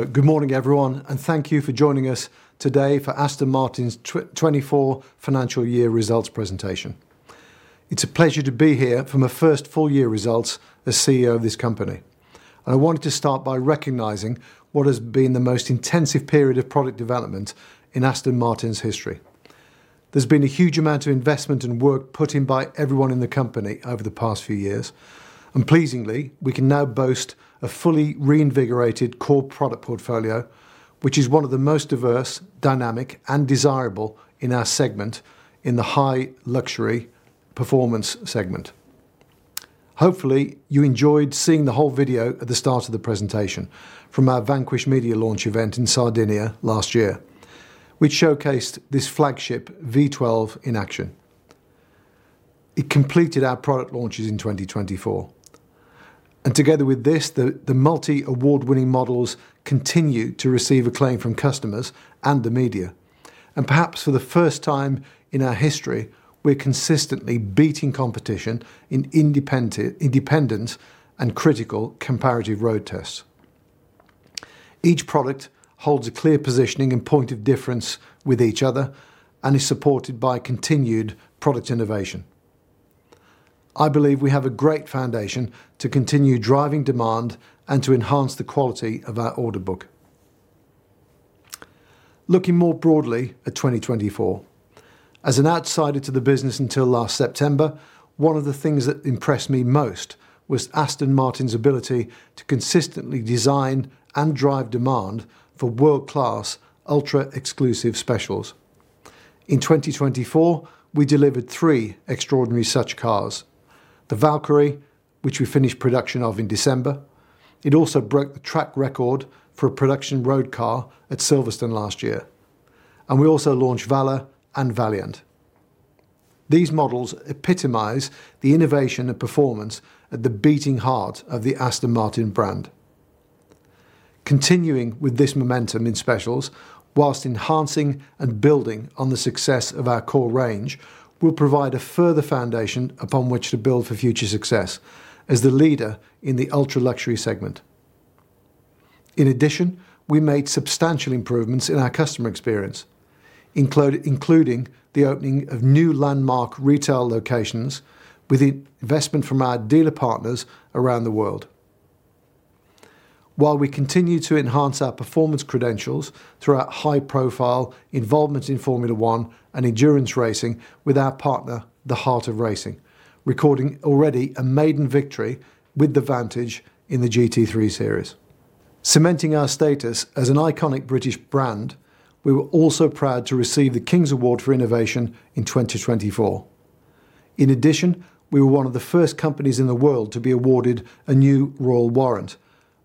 Good morning, everyone, and thank you for joining us today for Aston Martin's 2024 financial year results presentation. It's a pleasure to be here for my first full-year results as CEO of this company. I wanted to start by recognizing what has been the most intensive period of product development in Aston Martin's history. There's been a huge amount of investment and work put in by everyone in the company over the past few years. Pleasingly, we can now boast a fully reinvigorated core product portfolio, which is one of the most diverse, dynamic, and desirable in our segment in the high-luxury performance segment. Hopefully, you enjoyed seeing the whole video at the start of the presentation from our Vanquish media launch event in Sardinia last year, which showcased this flagship V12 in action. It completed our product launches in 2024. Together with this, the multi-award-winning models continue to receive acclaim from customers and the media. Perhaps for the first time in our history, we're consistently beating competition in independent and critical comparative road tests. Each product holds a clear positioning and point of difference with each other and is supported by continued product innovation. I believe we have a great foundation to continue driving demand and to enhance the quality of our order book. Looking more broadly at 2024, as an outsider to the business until last September, one of the things that impressed me most was Aston Martin's ability to consistently design and drive demand for world-class ultra-exclusive specials. In 2024, we delivered three extraordinary such cars: the Valkyrie, which we finished production of in December. It also broke the track record for a production road car at Silverstone last year. We also launched Valour and Valiant. These models epitomize the innovation and performance at the beating heart of the Aston Martin brand. Continuing with this momentum in specials, while enhancing and building on the success of our core range, we'll provide a further foundation upon which to build for future success as the leader in the ultra-luxury segment. In addition, we made substantial improvements in our customer experience, including the opening of new landmark retail locations with investment from our dealer partners around the world. While we continue to enhance our performance credentials through our high-profile involvement in Formula 1 and endurance racing with our partner, The Heart of Racing, recording already a maiden victory with the Vantage in the GT3 series. Cementing our status as an iconic British brand, we were also proud to receive the King's Award for Innovation in 2024. In addition, we were one of the first companies in the world to be awarded a new Royal Warrant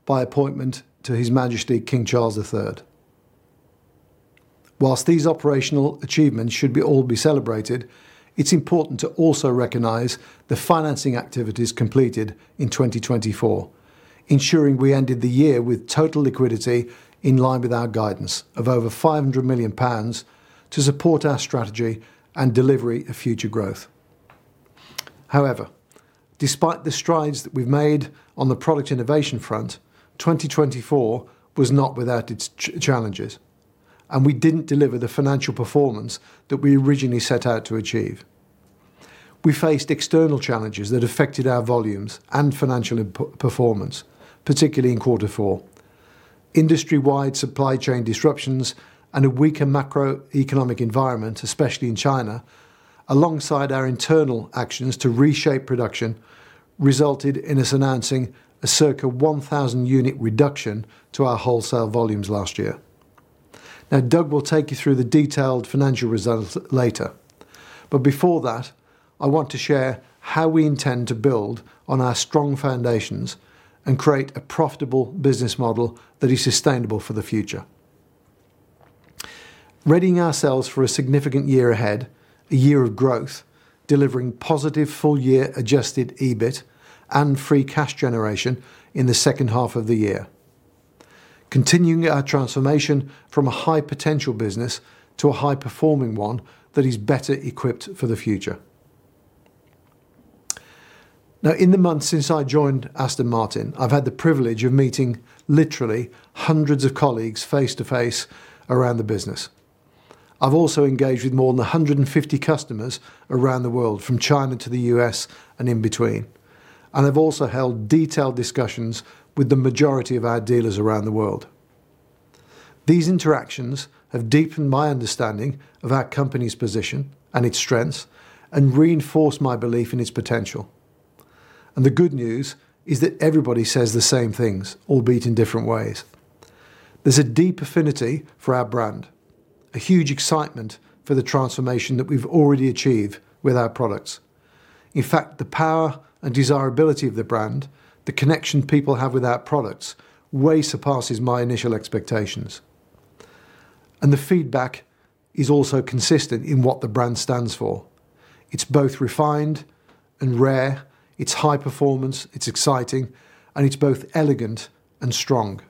by appointment to His Majesty King Charles III. While these operational achievements should all be celebrated, it's important to also recognize the financing activities completed in 2024, ensuring we ended the year with total liquidity in line with our guidance of over 500 million pounds to support our strategy and delivery of future growth. However, despite the strides that we've made on the product innovation front, 2024 was not without its challenges, and we didn't deliver the financial performance that we originally set out to achieve. We faced external challenges that affected our volumes and financial performance, particularly in quarter four. Industry-wide supply chain disruptions and a weaker macroeconomic environment, especially in China, alongside our internal actions to reshape production, resulted in us announcing a circa 1,000-unit reduction to our wholesale volumes last year. Now, Doug will take you through the detailed financial results later. But before that, I want to share how we intend to build on our strong foundations and create a profitable business model that is sustainable for the future. Readying ourselves for a significant year ahead, a year of growth, delivering positive full-year Adjusted EBIT and free cash generation in the second half of the year, continuing our transformation from a high-potential business to a high-performing one that is better equipped for the future. Now, in the months since I joined Aston Martin, I've had the privilege of meeting literally hundreds of colleagues face to face around the business. I've also engaged with more than 150 customers around the world, from China to the U.S. and in between. And I've also held detailed discussions with the majority of our dealers around the world. These interactions have deepened my understanding of our company's position and its strengths and reinforced my belief in its potential. And the good news is that everybody says the same things, albeit in different ways. There's a deep affinity for our brand, a huge excitement for the transformation that we've already achieved with our products. In fact, the power and desirability of the brand, the connection people have with our products, way surpasses my initial expectations. And the feedback is also consistent in what the brand stands for. It's both refined and rare. It's high performance. It's exciting. And it's both elegant and strong.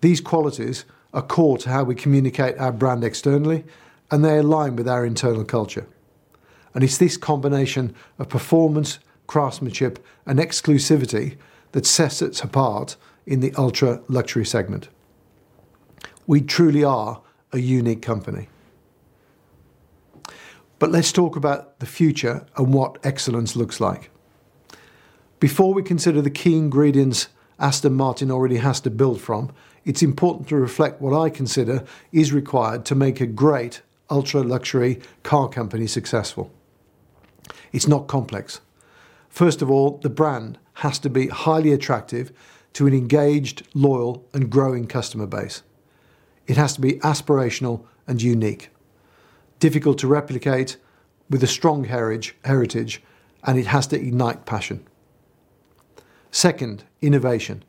These qualities are core to how we communicate our brand externally, and they align with our internal culture. And it's this combination of performance, craftsmanship, and exclusivity that sets us apart in the ultra-luxury segment. We truly are a unique company. But let's talk about the future and what excellence looks like. Before we consider the key ingredients Aston Martin already has to build from, it's important to reflect what I consider is required to make a great ultra-luxury car company successful. It's not complex. First of all, the brand has to be highly attractive to an engaged, loyal, and growing customer base. It has to be aspirational and unique, difficult to replicate with a strong heritage, and it has to ignite passion. Second, innovation.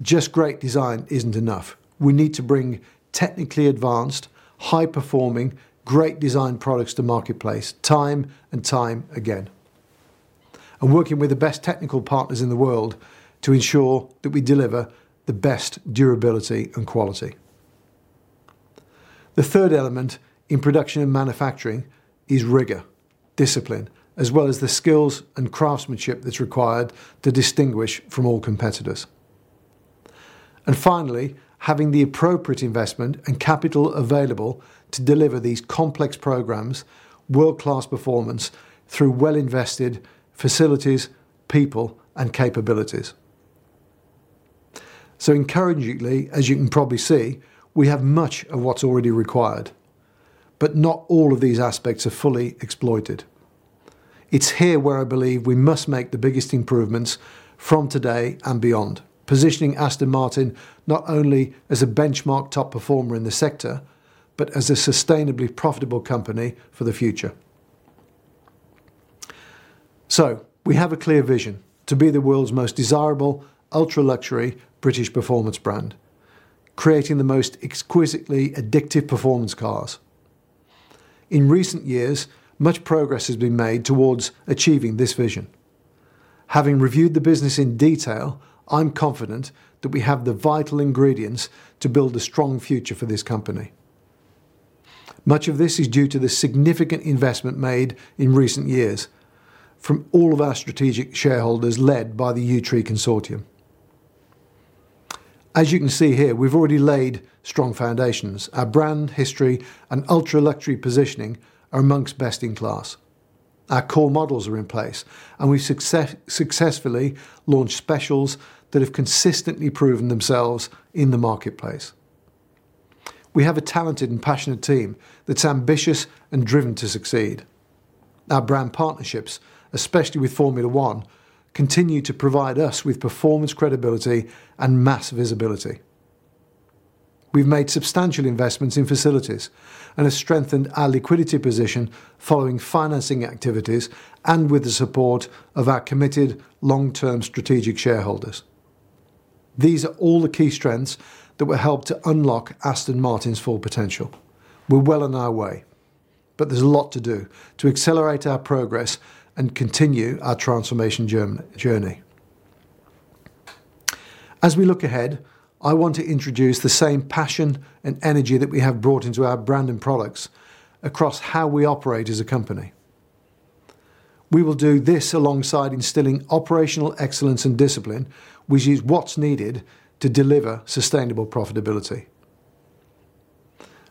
Just great design isn't enough. We need to bring technically advanced, high-performing, great design products to the marketplace time and time again, and working with the best technical partners in the world to ensure that we deliver the best durability and quality. The third element in production and manufacturing is rigor, discipline, as well as the skills and craftsmanship that's required to distinguish from all competitors, and finally, having the appropriate investment and capital available to deliver these complex programs, world-class performance through well-invested facilities, people, and capabilities, so encouragingly, as you can probably see, we have much of what's already required, but not all of these aspects are fully exploited. It's here where I believe we must make the biggest improvements from today and beyond, positioning Aston Martin not only as a benchmark top performer in the sector, but as a sustainably profitable company for the future. So we have a clear vision to be the world's most desirable ultra-luxury British performance brand, creating the most exquisitely addictive performance cars. In recent years, much progress has been made towards achieving this vision. Having reviewed the business in detail, I'm confident that we have the vital ingredients to build a strong future for this company. Much of this is due to the significant investment made in recent years from all of our strategic shareholders led by the Yew Tree Consortium. As you can see here, we've already laid strong foundations. Our brand history and ultra-luxury positioning are amongst best in class. Our core models are in place, and we've successfully launched specials that have consistently proven themselves in the marketplace. We have a talented and passionate team that's ambitious and driven to succeed. Our brand partnerships, especially with Formula 1, continue to provide us with performance credibility and mass visibility. We've made substantial investments in facilities and have strengthened our liquidity position following financing activities and with the support of our committed long-term strategic shareholders. These are all the key strengths that will help to unlock Aston Martin's full potential. We're well on our way, but there's a lot to do to accelerate our progress and continue our transformation journey. As we look ahead, I want to introduce the same passion and energy that we have brought into our brand and products across how we operate as a company. We will do this alongside instilling operational excellence and discipline, which is what's needed to deliver sustainable profitability.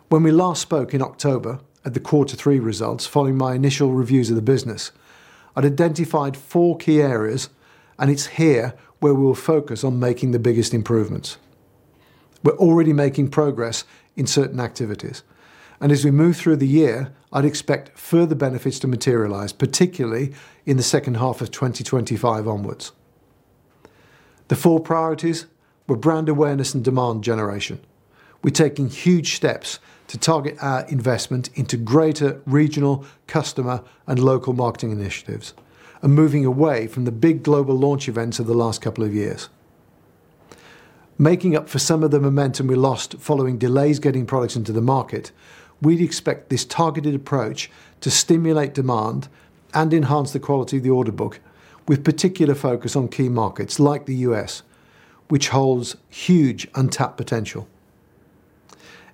When we last spoke in October at the quarter three results, following my initial reviews of the business, I'd identified four key areas, and it's here where we'll focus on making the biggest improvements. We're already making progress in certain activities. And as we move through the year, I'd expect further benefits to materialize, particularly in the second half of 2025 onwards. The four priorities were brand awareness and demand generation. We're taking huge steps to target our investment into greater regional, customer, and local marketing initiatives and moving away from the big global launch events of the last couple of years. Making up for some of the momentum we lost following delays getting products into the market, we'd expect this targeted approach to stimulate demand and enhance the quality of the order book, with particular focus on key markets like the U.S., which holds huge untapped potential.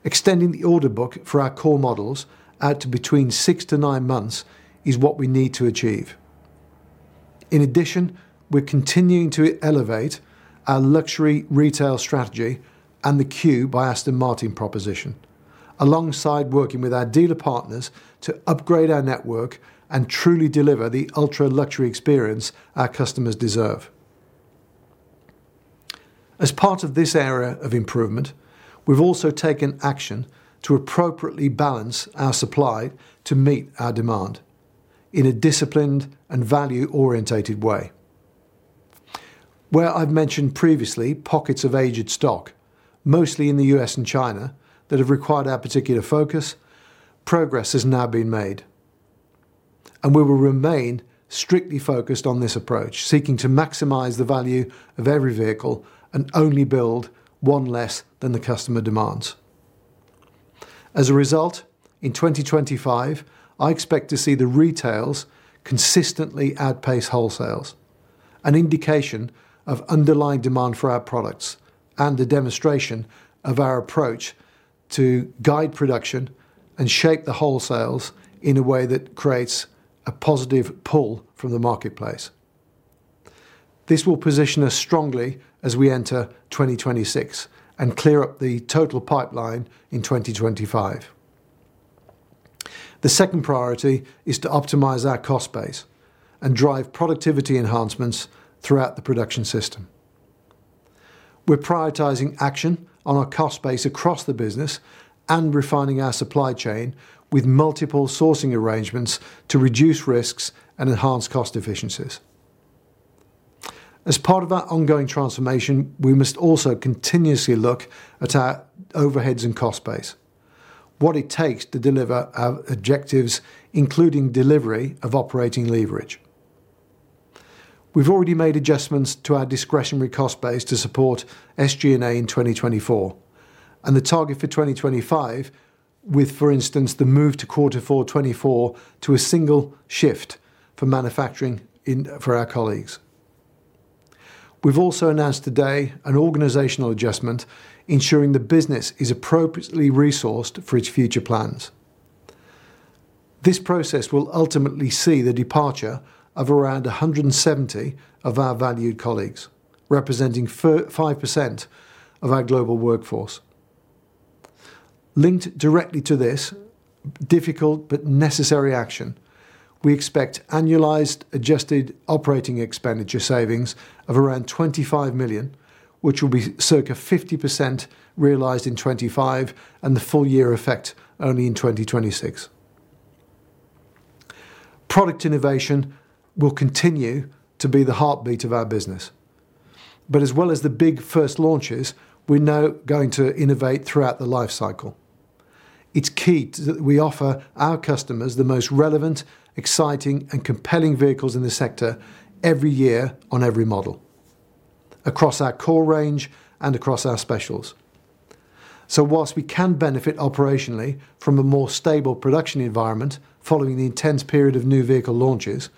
Extending the order book for our core models out to between six to nine months is what we need to achieve. In addition, we're continuing to elevate our luxury retail strategy and the Q by Aston Martin proposition, alongside working with our dealer partners to upgrade our network and truly deliver the ultra-luxury experience our customers deserve. As part of this area of improvement, we've also taken action to appropriately balance our supply to meet our demand in a disciplined and value-oriented way. Where I've mentioned previously pockets of aged stock, mostly in the U.S. and China, that have required our particular focus, progress has now been made, and we will remain strictly focused on this approach, seeking to maximize the value of every vehicle and only build one less than the customer demands. As a result, in 2025, I expect to see the retails consistently outpace wholesales, an indication of underlying demand for our products and a demonstration of our approach to guide production and shape the wholesales in a way that creates a positive pull from the marketplace. This will position us strongly as we enter 2026 and clear up the total pipeline in 2025. The second priority is to optimize our cost base and drive productivity enhancements throughout the production system. We're prioritizing action on our cost base across the business and refining our supply chain with multiple sourcing arrangements to reduce risks and enhance cost efficiencies. As part of our ongoing transformation, we must also continuously look at our overheads and cost base, what it takes to deliver our objectives, including delivery of operating leverage. We've already made adjustments to our discretionary cost base to support SG&A in 2024 and the target for 2025, with, for instance, the move to Q4 2024 to a single shift for manufacturing for our colleagues. We've also announced today an organizational adjustment, ensuring the business is appropriately resourced for its future plans. This process will ultimately see the departure of around 170 of our valued colleagues, representing 5% of our global workforce. Linked directly to this difficult but necessary action, we expect annualized adjusted operating expenditure savings of around 25 million, which will be circa 50% realized in 2025 and the full year effect only in 2026. Product innovation will continue to be the heartbeat of our business, but as well as the big first launches, we're now going to innovate throughout the life cycle. It's key that we offer our customers the most relevant, exciting, and compelling vehicles in the sector every year on every model across our core range and across our specials. So while we can benefit operationally from a more stable production environment following the intense period of new vehicle launches,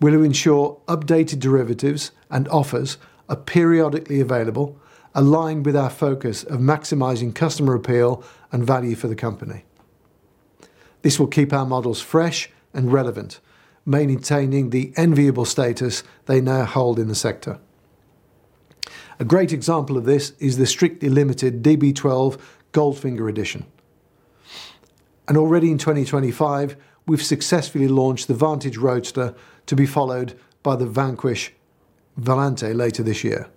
we'll ensure updated derivatives and offers are periodically available, aligned with our focus of maximizing customer appeal and value for the company. This will keep our models fresh and relevant, maintaining the enviable status they now hold in the sector. A great example of this is the strictly limited DB12 Goldfinger Edition. And already in 2025, we've successfully launched the Vantage Roadster to be followed by the Vanquish Volante later this year.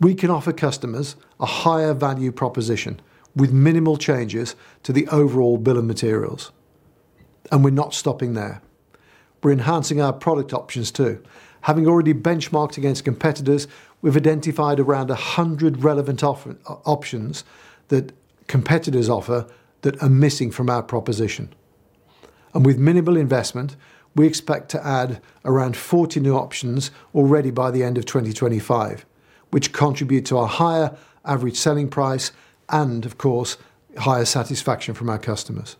We can offer customers a higher value proposition with minimal changes to the overall bill of materials. And we're not stopping there. We're enhancing our product options too. Having already benchmarked against competitors, we've identified around 100 relevant options that competitors offer that are missing from our proposition, and with minimal investment, we expect to add around 40 new options already by the end of 2025, which contribute to our higher average selling price and, of course, higher satisfaction from our customers.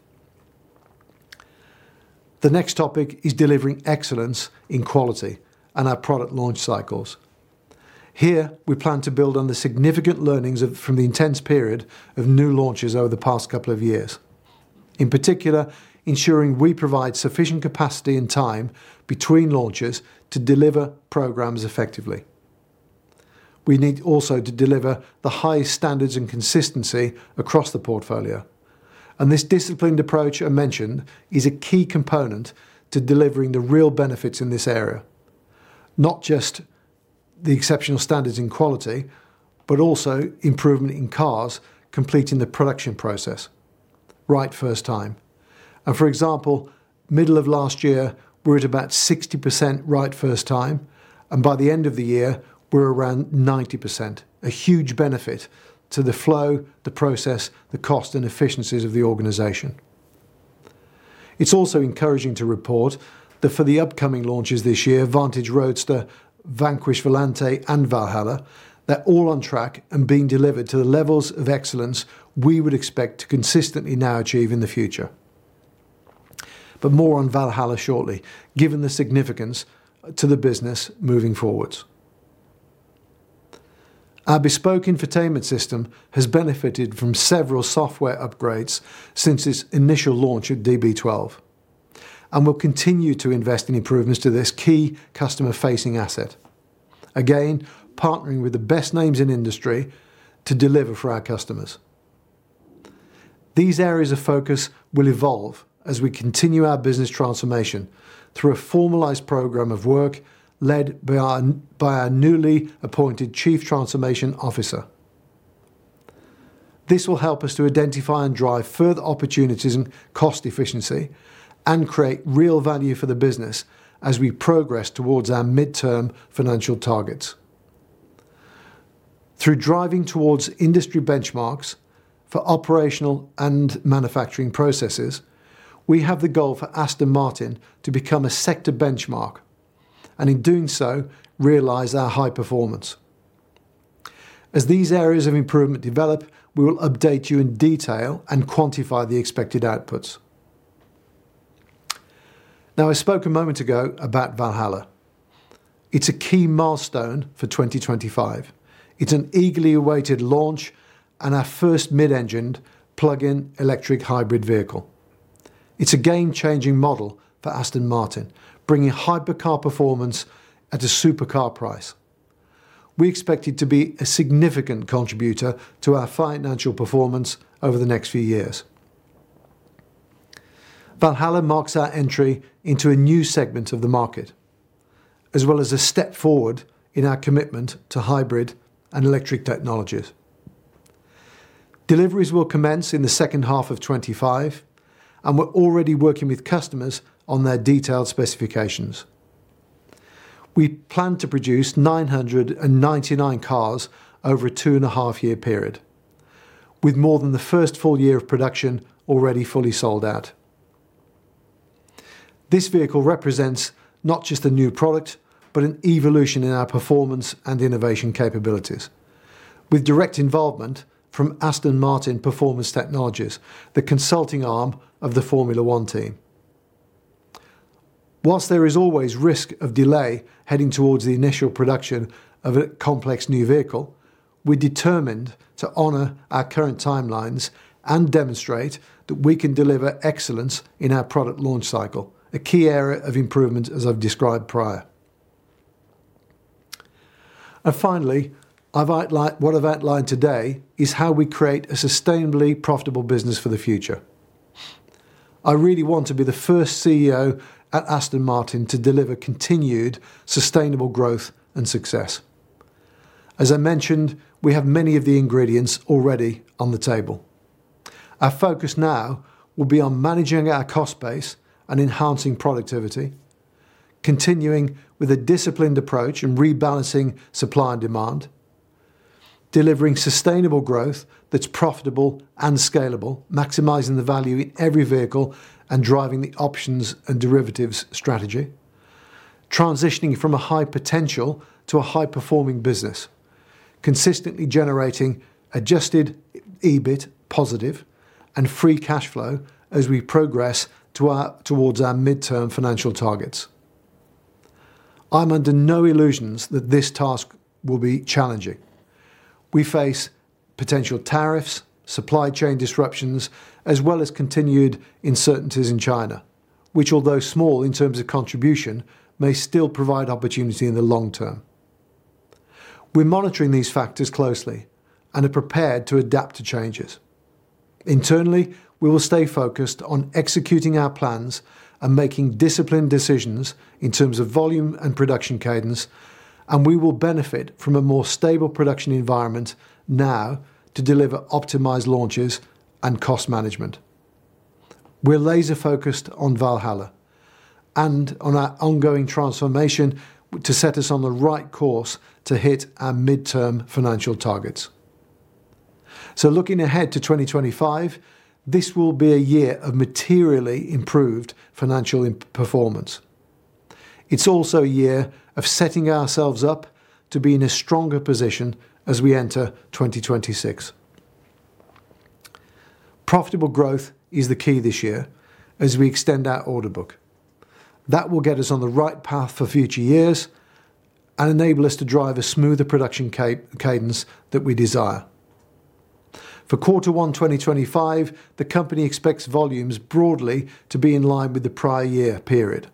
The next topic is delivering excellence in quality and our product launch cycles. Here, we plan to build on the significant learnings from the intense period of new launches over the past couple of years, in particular, ensuring we provide sufficient capacity and time between launches to deliver programs effectively. We need also to deliver the highest standards and consistency across the portfolio. This disciplined approach I mentioned is a key component to delivering the real benefits in this area, not just the exceptional standards in quality, but also improvement in cars completing the production process right first time. For example, middle of last year, we're at about 60% right first time, and by the end of the year, we're around 90%, a huge benefit to the flow, the process, the cost, and efficiencies of the organization. It's also encouraging to report that for the upcoming launches this year, Vantage Roadster, Vanquish Volante, and Valhalla, they're all on track and being delivered to the levels of excellence we would expect to consistently now achieve in the future. More on Valhalla shortly, given the significance to the business moving forwards. Our bespoke infotainment system has benefited from several software upgrades since its initial launch of DB12 and will continue to invest in improvements to this key customer-facing asset, again, partnering with the best names in industry to deliver for our customers. These areas of focus will evolve as we continue our business transformation through a formalized program of work led by our newly appointed Chief Transformation Officer. This will help us to identify and drive further opportunities in cost efficiency and create real value for the business as we progress towards our midterm financial targets. Through driving towards industry benchmarks for operational and manufacturing processes, we have the goal for Aston Martin to become a sector benchmark and, in doing so, realize our high performance. As these areas of improvement develop, we will update you in detail and quantify the expected outputs. Now, I spoke a moment ago about Valhalla. It's a key milestone for 2025. It's an eagerly awaited launch and our first mid-engined plug-in electric hybrid vehicle. It's a game-changing model for Aston Martin, bringing hypercar performance at a supercar price. We expect it to be a significant contributor to our financial performance over the next few years. Valhalla marks our entry into a new segment of the market, as well as a step forward in our commitment to hybrid and electric technologies. Deliveries will commence in the second half of 2025, and we're already working with customers on their detailed specifications. We plan to produce 999 cars over a two-and-a-half-year period, with more than the first full year of production already fully sold out. This vehicle represents not just a new product, but an evolution in our performance and innovation capabilities, with direct involvement from Aston Martin Performance Technologies, the consulting arm of the Formula 1 team. Whilst there is always risk of delay heading towards the initial production of a complex new vehicle, we're determined to honor our current timelines and demonstrate that we can deliver excellence in our product launch cycle, a key area of improvement, as I've described prior. And finally, what I've outlined today is how we create a sustainably profitable business for the future. I really want to be the first CEO at Aston Martin to deliver continued sustainable growth and success. As I mentioned, we have many of the ingredients already on the table. Our focus now will be on managing our cost base and enhancing productivity, continuing with a disciplined approach and rebalancing supply and demand, delivering sustainable growth that's profitable and scalable, maximizing the value in every vehicle and driving the options and derivatives strategy, transitioning from a high potential to a high-performing business, consistently generating Adjusted EBIT positive and free cash flow as we progress towards our midterm financial targets. I'm under no illusions that this task will be challenging. We face potential tariffs, supply chain disruptions, as well as continued uncertainties in China, which, although small in terms of contribution, may still provide opportunity in the long term. We're monitoring these factors closely and are prepared to adapt to changes. Internally, we will stay focused on executing our plans and making disciplined decisions in terms of volume and production cadence, and we will benefit from a more stable production environment now to deliver optimized launches and cost management. We're laser-focused on Valhalla and on our ongoing transformation to set us on the right course to hit our midterm financial targets. So looking ahead to 2025, this will be a year of materially improved financial performance. It's also a year of setting ourselves up to be in a stronger position as we enter 2026. Profitable growth is the key this year as we extend our order book. That will get us on the right path for future years and enable us to drive a smoother production cadence that we desire. For quarter one 2025, the company expects volumes broadly to be in line with the prior year period,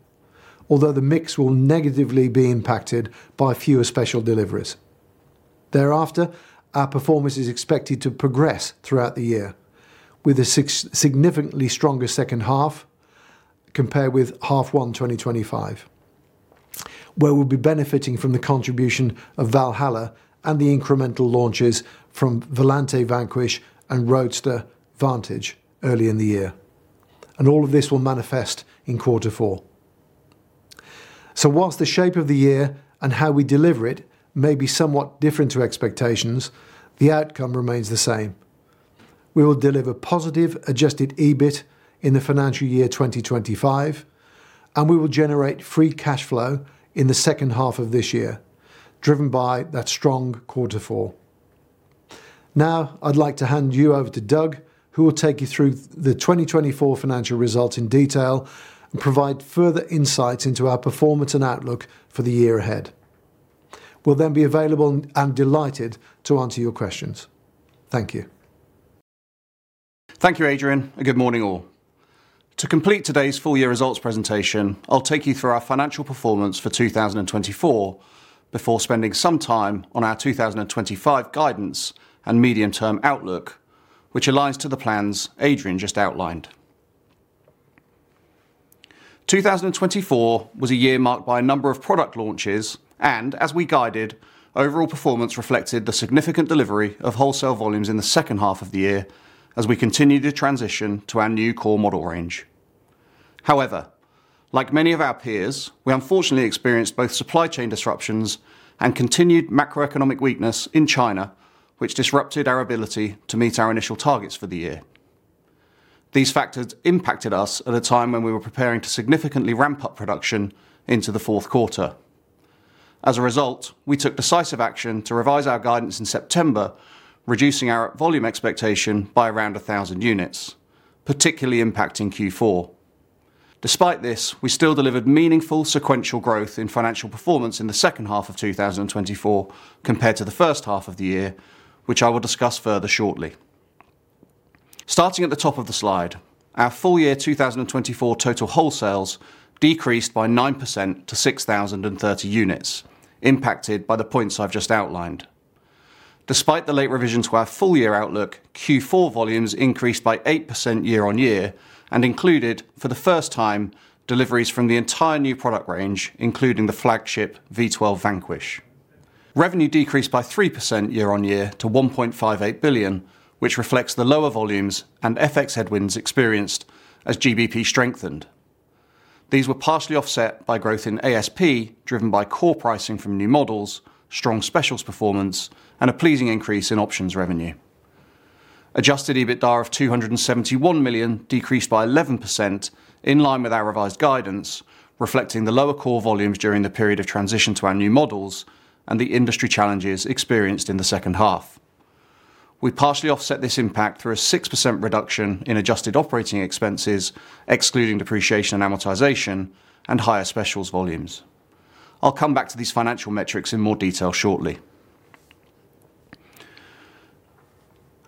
although the mix will negatively be impacted by fewer special deliveries. Thereafter, our performance is expected to progress throughout the year with a significantly stronger second half compared with half one 2025, where we'll be benefiting from the contribution of Valhalla and the incremental launches from Vanquish Volante, Vanquish, and Vantage Roadster early in the year, and all of this will manifest in quarter 4, so whilst the shape of the year and how we deliver it may be somewhat different to expectations, the outcome remains the same. We will deliver positive Adjusted EBIT in the financial year 2025, and we will generate free cash flow in the second half of this year, driven by that strong quarter four. Now, I'd like to hand you over to Doug, who will take you through the 2024 financial results in detail and provide further insights into our performance and outlook for the year ahead. We'll then be available and delighted to answer your questions. Thank you. Thank you, Adrian. Good morning, all. To complete today's full-year results presentation, I'll take you through our financial performance for 2024 before spending some time on our 2025 guidance and medium-term outlook, which aligns to the plans Adrian just outlined. 2024 was a year marked by a number of product launches, and as we guided, overall performance reflected the significant delivery of wholesale volumes in the second half of the year as we continued to transition to our new core model range. However, like many of our peers, we unfortunately experienced both supply chain disruptions and continued macroeconomic weakness in China, which disrupted our ability to meet our initial targets for the year. These factors impacted us at a time when we were preparing to significantly ramp up production into the fourth quarter. As a result, we took decisive action to revise our guidance in September, reducing our volume expectation by around 1,000 units, particularly impacting Q4. Despite this, we still delivered meaningful sequential growth in financial performance in the second half of 2024 compared to the first half of the year, which I will discuss further shortly. Starting at the top of the slide, our full-year 2024 total wholesales decreased by 9% to 6,030 units, impacted by the points I've just outlined. Despite the late revisions to our full-year outlook, Q4 volumes increased by 8% year-on-year and included, for the first time, deliveries from the entire new product range, including the flagship V12 Vanquish. Revenue decreased by 3% year-on-year to 1.58 billion, which reflects the lower volumes and FX headwinds experienced as GBP strengthened. These were partially offset by growth in ASP driven by core pricing from new models, strong specials performance, and a pleasing increase in options revenue. Adjusted EBITDA of 271 million decreased by 11% in line with our revised guidance, reflecting the lower core volumes during the period of transition to our new models and the industry challenges experienced in the second half. We partially offset this impact through a 6% reduction in adjusted operating expenses, excluding depreciation and amortization, and higher specials volumes. I'll come back to these financial metrics in more detail shortly.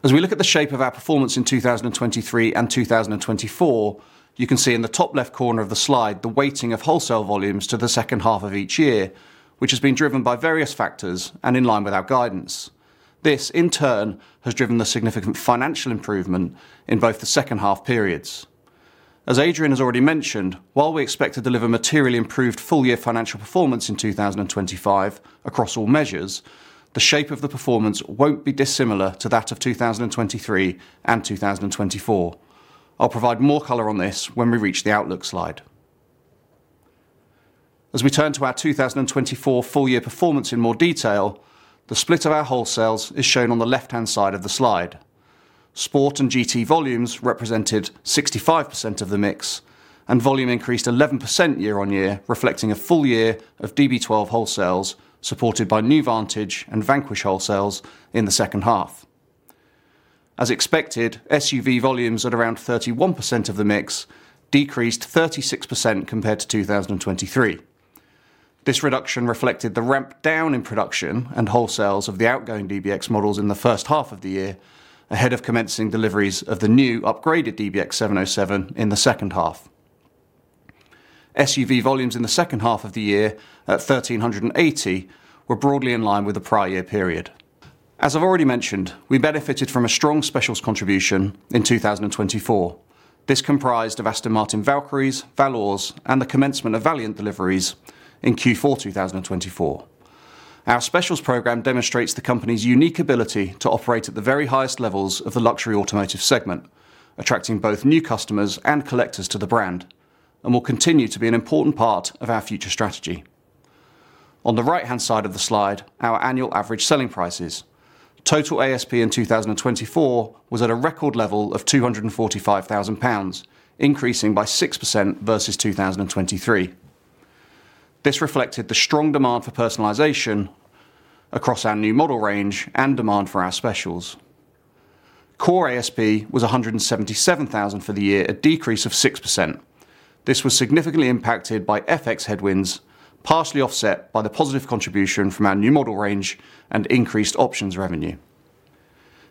As we look at the shape of our performance in 2023 and 2024, you can see in the top left corner of the slide the weighting of wholesale volumes to the second half of each year, which has been driven by various factors and in line with our guidance. This, in turn, has driven the significant financial improvement in both the second half periods. As Adrian has already mentioned, while we expect to deliver materially improved full-year financial performance in 2025 across all measures, the shape of the performance won't be dissimilar to that of 2023 and 2024. I'll provide more color on this when we reach the outlook slide. As we turn to our 2024 full-year performance in more detail, the split of our wholesales is shown on the left-hand side of the slide. Sport and GT volumes represented 65% of the mix, and volume increased 11% year-on-year, reflecting a full year of DB12 wholesales supported by new Vantage and Vanquish wholesales in the second half. As expected, SUV volumes at around 31% of the mix decreased 36% compared to 2023. This reduction reflected the ramp down in production and wholesales of the outgoing DBX models in the first half of the year ahead of commencing deliveries of the new upgraded DBX707 in the second half. SUV volumes in the second half of the year at 1,380 were broadly in line with the prior year period. As I've already mentioned, we benefited from a strong specials contribution in 2024. This comprised of Aston Martin Valkyries, Valours, and the commencement of Valiant deliveries in Q4 2024. Our specials program demonstrates the company's unique ability to operate at the very highest levels of the luxury automotive segment, attracting both new customers and collectors to the brand, and will continue to be an important part of our future strategy. On the right-hand side of the slide, our annual average selling prices. Total ASP in 2024 was at a record level of £245,000, increasing by 6% versus 2023. This reflected the strong demand for personalization across our new model range and demand for our specials. Core ASP was 177,000 for the year, a decrease of 6%. This was significantly impacted by FX headwinds, partially offset by the positive contribution from our new model range and increased options revenue.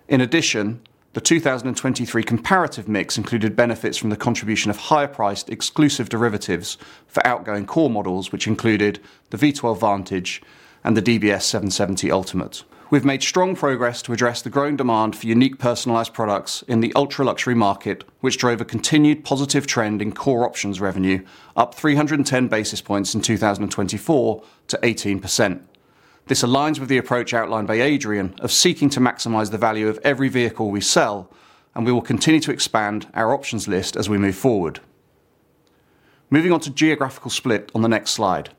In addition, the 2023 comparative mix included benefits from the contribution of higher-priced exclusive derivatives for outgoing core models, which included the V12 Vantage and the DBS 770 Ultimate. We've made strong progress to address the growing demand for unique personalized products in the ultra-luxury market, which drove a continued positive trend in core options revenue, up 310 basis points in 2024 to 18%. This aligns with the approach outlined by Adrian of seeking to maximize the value of every vehicle we sell, and we will continue to expand our options list as we move forward. Moving on to geographical split on the next slide.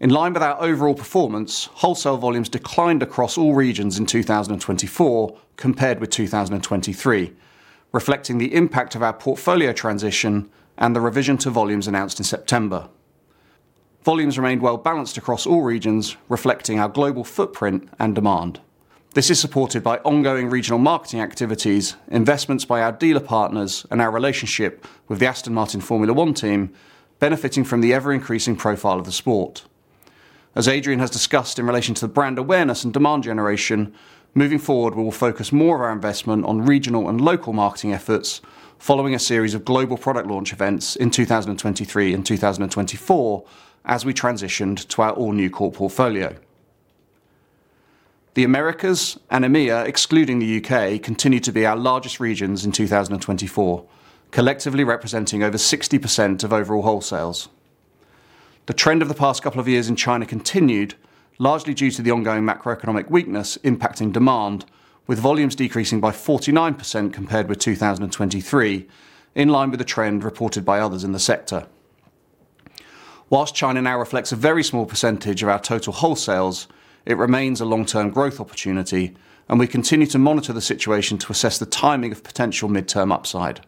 In line with our overall performance, wholesale volumes declined across all regions in 2024 compared with 2023, reflecting the impact of our portfolio transition and the revision to volumes announced in September. Volumes remained well-balanced across all regions, reflecting our global footprint and demand. This is supported by ongoing regional marketing activities, investments by our dealer partners, and our relationship with the Aston Martin Formula 1 team, benefiting from the ever-increasing profile of the sport. As Adrian has discussed in relation to the brand awareness and demand generation, moving forward, we will focus more of our investment on regional and local marketing efforts following a series of global product launch events in 2023 and 2024 as we transitioned to our all-new core portfolio. The Americas and EMEA, excluding the U.K., continue to be our largest regions in 2024, collectively representing over 60% of overall wholesales. The trend of the past couple of years in China continued, largely due to the ongoing macroeconomic weakness impacting demand, with volumes decreasing by 49% compared with 2023, in line with the trend reported by others in the sector. While China now reflects a very small percentage of our total wholesales, it remains a long-term growth opportunity, and we continue to monitor the situation to assess the timing of potential midterm upside.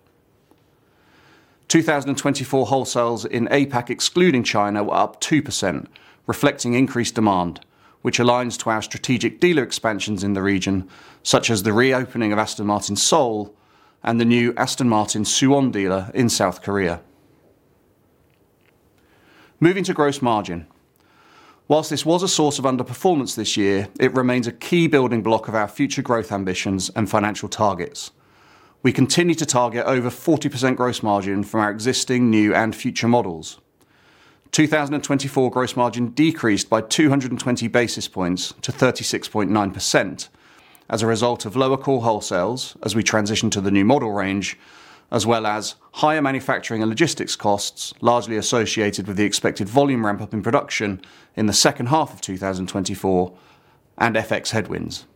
2024 wholesales in APAC, excluding China, were up 2%, reflecting increased demand, which aligns to our strategic dealer expansions in the region, such as the reopening of Aston Martin Seoul and the new Aston Martin Suwon dealer in South Korea. Moving to gross margin. While this was a source of underperformance this year, it remains a key building block of our future growth ambitions and financial targets. We continue to target over 40% gross margin from our existing, new, and future models. 2024 gross margin decreased by 220 basis points to 36.9% as a result of lower core wholesales as we transition to the new model range, as well as higher manufacturing and logistics costs largely associated with the expected volume ramp-up in production in the second half of 2024 and FX headwinds.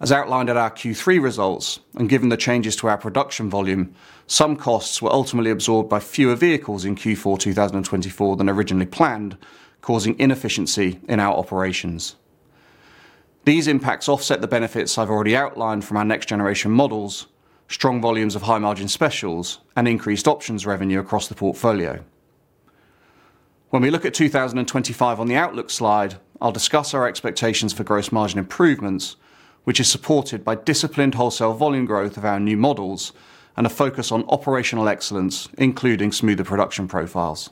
As outlined at our Q3 results and given the changes to our production volume, some costs were ultimately absorbed by fewer vehicles in Q4 2024 than originally planned, causing inefficiency in our operations. These impacts offset the benefits I've already outlined from our next-generation models, strong volumes of high-margin specials, and increased options revenue across the portfolio. When we look at 2025 on the outlook slide, I'll discuss our expectations for gross margin improvements, which is supported by disciplined wholesale volume growth of our new models and a focus on operational excellence, including smoother production profiles.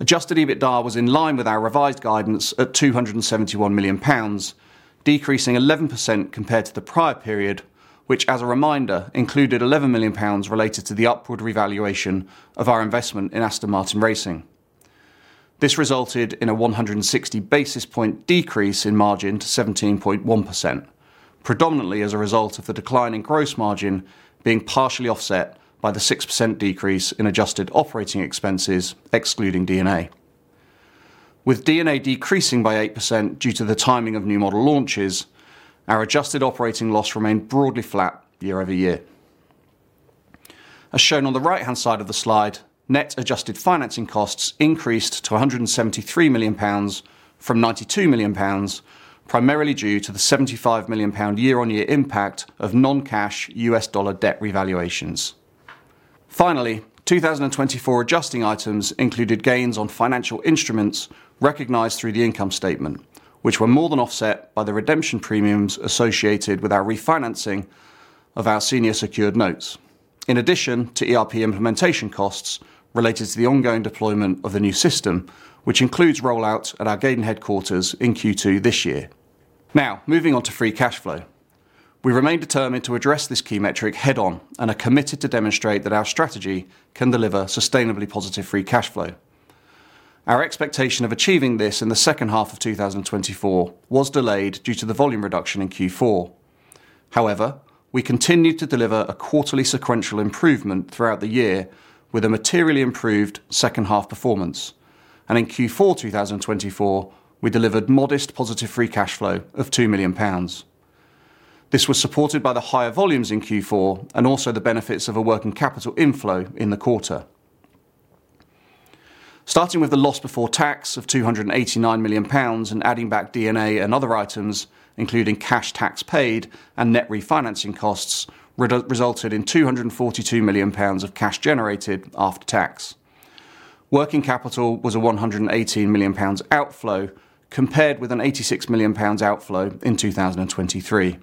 Adjusted EBITDA was in line with our revised guidance at 271 million pounds, decreasing 11% compared to the prior period, which, as a reminder, included 11 million pounds related to the upward revaluation of our investment in Aston Martin Racing. This resulted in a 160 basis point decrease in margin to 17.1%, predominantly as a result of the declining gross margin being partially offset by the 6% decrease in adjusted operating expenses, excluding D&A. With D&A decreasing by 8% due to the timing of new model launches, our adjusted operating loss remained broadly flat year-over-year. As shown on the right-hand side of the slide, net adjusted financing costs increased to 173 million pounds from 92 million pounds, primarily due to the 75 million pound year-on-year impact of non-cash U.S. dollar debt revaluations. Finally, 2024 adjusting items included gains on financial instruments recognized through the income statement, which were more than offset by the redemption premiums associated with our refinancing of our senior secured notes, in addition to ERP implementation costs related to the ongoing deployment of the new system, which includes rollout at our Gaydon headquarters in Q2 this year. Now, moving on to free cash flow. We remain determined to address this key metric head-on and are committed to demonstrate that our strategy can deliver sustainably positive free cash flow. Our expectation of achieving this in the second half of 2024 was delayed due to the volume reduction in Q4. However, we continued to deliver a quarterly sequential improvement throughout the year with a materially improved second-half performance, and in Q4 2024, we delivered modest positive free cash flow of 2 million pounds. This was supported by the higher volumes in Q4 and also the benefits of a working capital inflow in the quarter. Starting with the loss before tax of 289 million pounds and adding back D&A and other items, including cash tax paid and net refinancing costs, resulted in 242 million pounds of cash generated after tax. Working capital was a 118 million pounds outflow compared with an 86 million pounds outflow in 2023.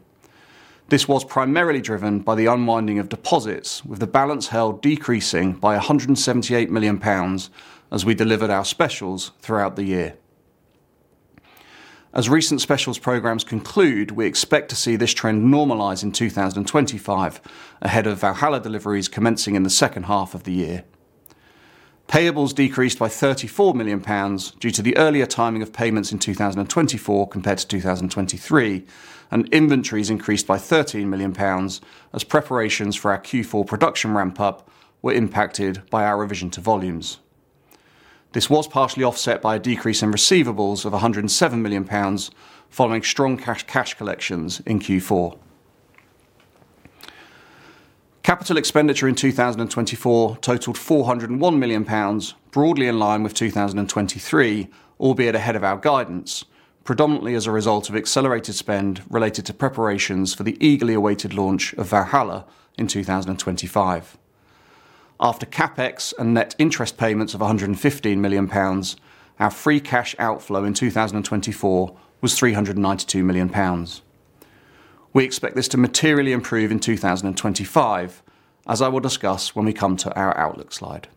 This was primarily driven by the unwinding of deposits, with the balance held decreasing by 178 million pounds as we delivered our specials throughout the year. As recent specials programs conclude, we expect to see this trend normalize in 2025, ahead of Valhalla deliveries commencing in the second half of the year. Payables decreased by 34 million pounds due to the earlier timing of payments in 2024 compared to 2023, and inventories increased by 13 million pounds as preparations for our Q4 production ramp-up were impacted by our revision to volumes. This was partially offset by a decrease in receivables of 107 million pounds following strong cash collections in Q4. Capital expenditure in 2024 totaled 401 million pounds, broadly in line with 2023, albeit ahead of our guidance, predominantly as a result of accelerated spend related to preparations for the eagerly awaited launch of Valhalla in 2025. After CapEx and net interest payments of 115 million pounds, our free cash outflow in 2024 was 392 million pounds. We expect this to materially improve in 2025, as I will discuss when we come to our outlook slide.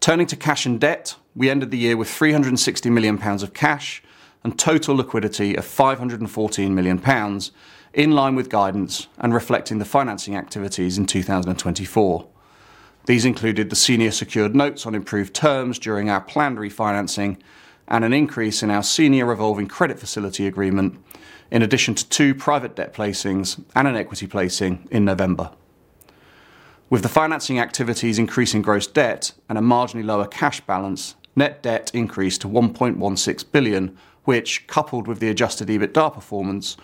Turning to cash and debt, we ended the year with 360 million pounds of cash and total liquidity of 514 million pounds, in line with guidance and reflecting the financing activities in 2024. These included the senior secured notes on improved terms during our planned refinancing and an increase in our senior revolving credit facility agreement, in addition to two private debt placings and an equity placing in November. With the financing activities increasing gross debt and a marginally lower cash balance, net debt increased to 1.16 billion, which, coupled with the adjusted EBITDA performance,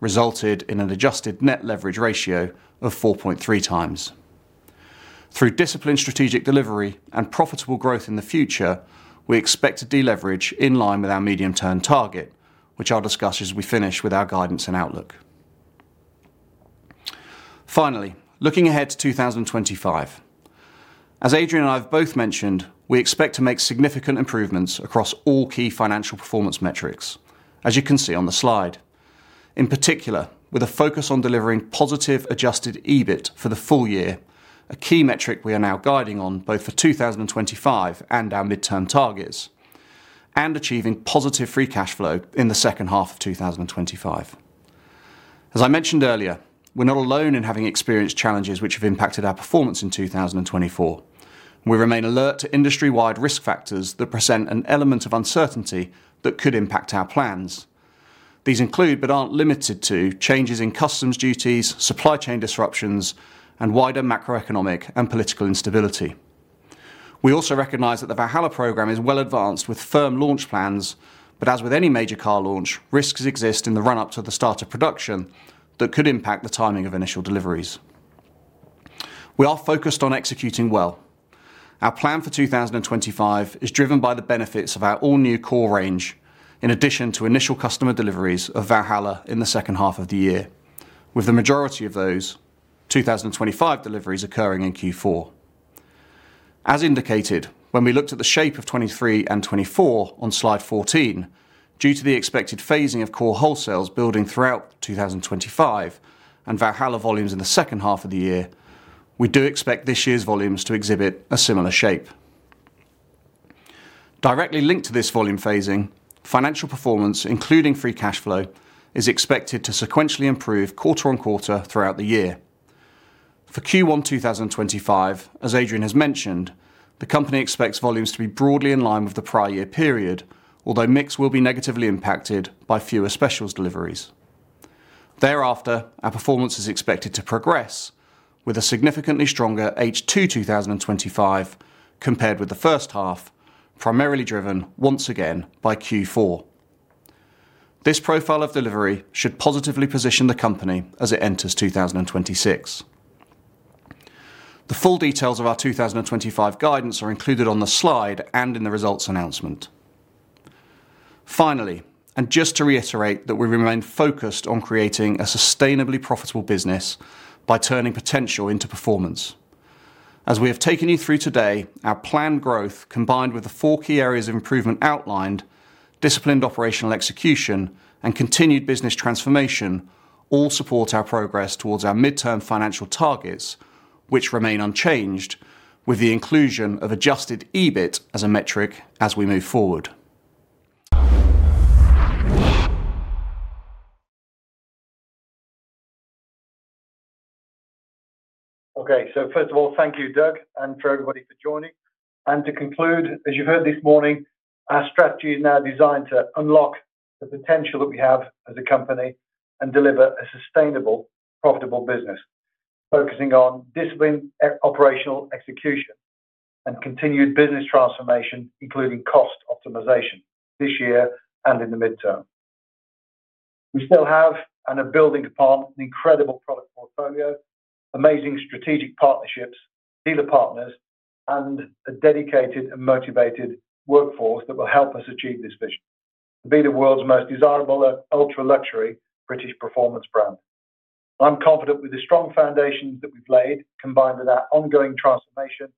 resulted in an adjusted net leverage ratio of 4.3 times. Through disciplined strategic delivery and profitable growth in the future, we expect to deleverage in line with our medium-term target, which I'll discuss as we finish with our guidance and outlook. Finally, looking ahead to 2025, as Adrian and I have both mentioned, we expect to make significant improvements across all key financial performance metrics, as you can see on the slide. In particular, with a focus on delivering positive Adjusted EBIT for the full year, a key metric we are now guiding on both for 2025 and our midterm targets, and achieving positive free cash flow in the second half of 2025. As I mentioned earlier, we're not alone in having experienced challenges which have impacted our performance in 2024. We remain alert to industry-wide risk factors that present an element of uncertainty that could impact our plans. These include, but aren't limited to, changes in customs duties, supply chain disruptions, and wider macroeconomic and political instability. We also recognize that the Valhalla program is well-advanced with firm launch plans, but as with any major car launch, risks exist in the run-up to the start of production that could impact the timing of initial deliveries. We are focused on executing well. Our plan for 2025 is driven by the benefits of our all-new core range, in addition to initial customer deliveries of Valhalla in the second half of the year, with the majority of those 2025 deliveries occurring in Q4. As indicated, when we looked at the shape of 2023 and 2024 on slide 14, due to the expected phasing of core wholesales building throughout 2025 and Valhalla volumes in the second half of the year, we do expect this year's volumes to exhibit a similar shape. Directly linked to this volume phasing, financial performance, including free cash flow, is expected to sequentially improve quarter on quarter throughout the year. For Q1 2025, as Adrian has mentioned, the company expects volumes to be broadly in line with the prior year period, although mix will be negatively impacted by fewer specials deliveries. Thereafter, our performance is expected to progress with a significantly stronger H2 2025 compared with the first half, primarily driven once again by Q4. This profile of delivery should positively position the company as it enters 2026. The full details of our 2025 guidance are included on the slide and in the results announcement. Finally, and just to reiterate that we remain focused on creating a sustainably profitable business by turning potential into performance. As we have taken you through today, our planned growth, combined with the four key areas of improvement outlined, disciplined operational execution, and continued business transformation, all support our progress towards our midterm financial targets, which remain unchanged, with the inclusion of Adjusted EBIT as a metric as we move forward. Okay, so first of all, thank you, Doug, and for everybody for joining, and to conclude, as you've heard this morning, our strategy is now designed to unlock the potential that we have as a company and deliver a sustainable, profitable business, focusing on disciplined operational execution and continued business transformation, including cost optimization this year and in the midterm. We still have and are building upon an incredible product portfolio, amazing strategic partnerships, dealer partners, and a dedicated and motivated workforce that will help us achieve this vision to be the world's most desirable ultra-luxury British performance brand. I'm confident with the strong foundations that we've laid, combined with our ongoing transformation,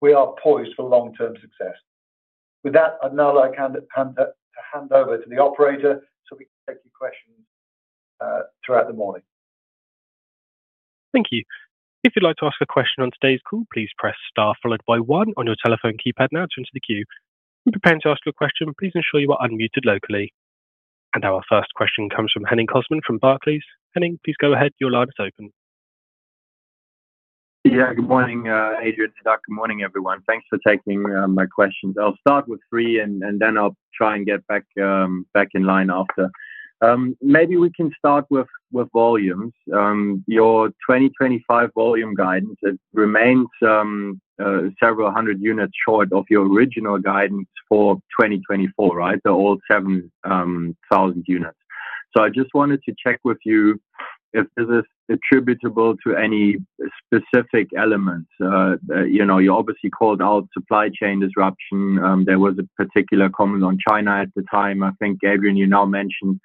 we are poised for long-term success. With that, I'd now like to hand over to the operator so we can take your questions throughout the morning. Thank you. If you'd like to ask a question on today's call, please press star followed by one on your telephone keypad now to enter the queue. We're preparing to ask you a question. Please ensure you are unmuted locally. Our first question comes from Henning Cosman from Barclays. Henning, please go ahead. Your line is open. Yeah, good morning, Adrian and Doug. Good morning, everyone. Thanks for taking my questions. I'll start with three and then I'll try and get back in line after. Maybe we can start with volumes. Your 2025 volume guidance, it remains several hundred units short of your original guidance for 2024, right? The old 7,000 units. So I just wanted to check with you if this is attributable to any specific elements. You obviously called out supply chain disruption. There was a particular comment on China at the time. I think, Adrian, you now mentioned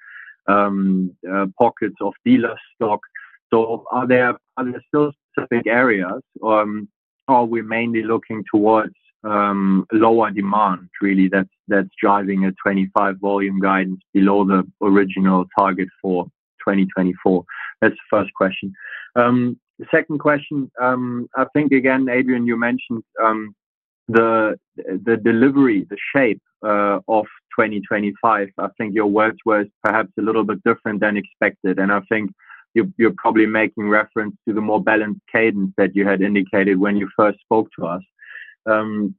pockets of dealer stock. So are there still specific areas, or are we mainly looking towards lower demand, really, that's driving a 2025 volume guidance below the original target for 2024? That's the first question. Second question, I think, again, Adrian, you mentioned the delivery, the shape of 2025. I think your words were perhaps a little bit different than expected, and I think you're probably making reference to the more balanced cadence that you had indicated when you first spoke to us. I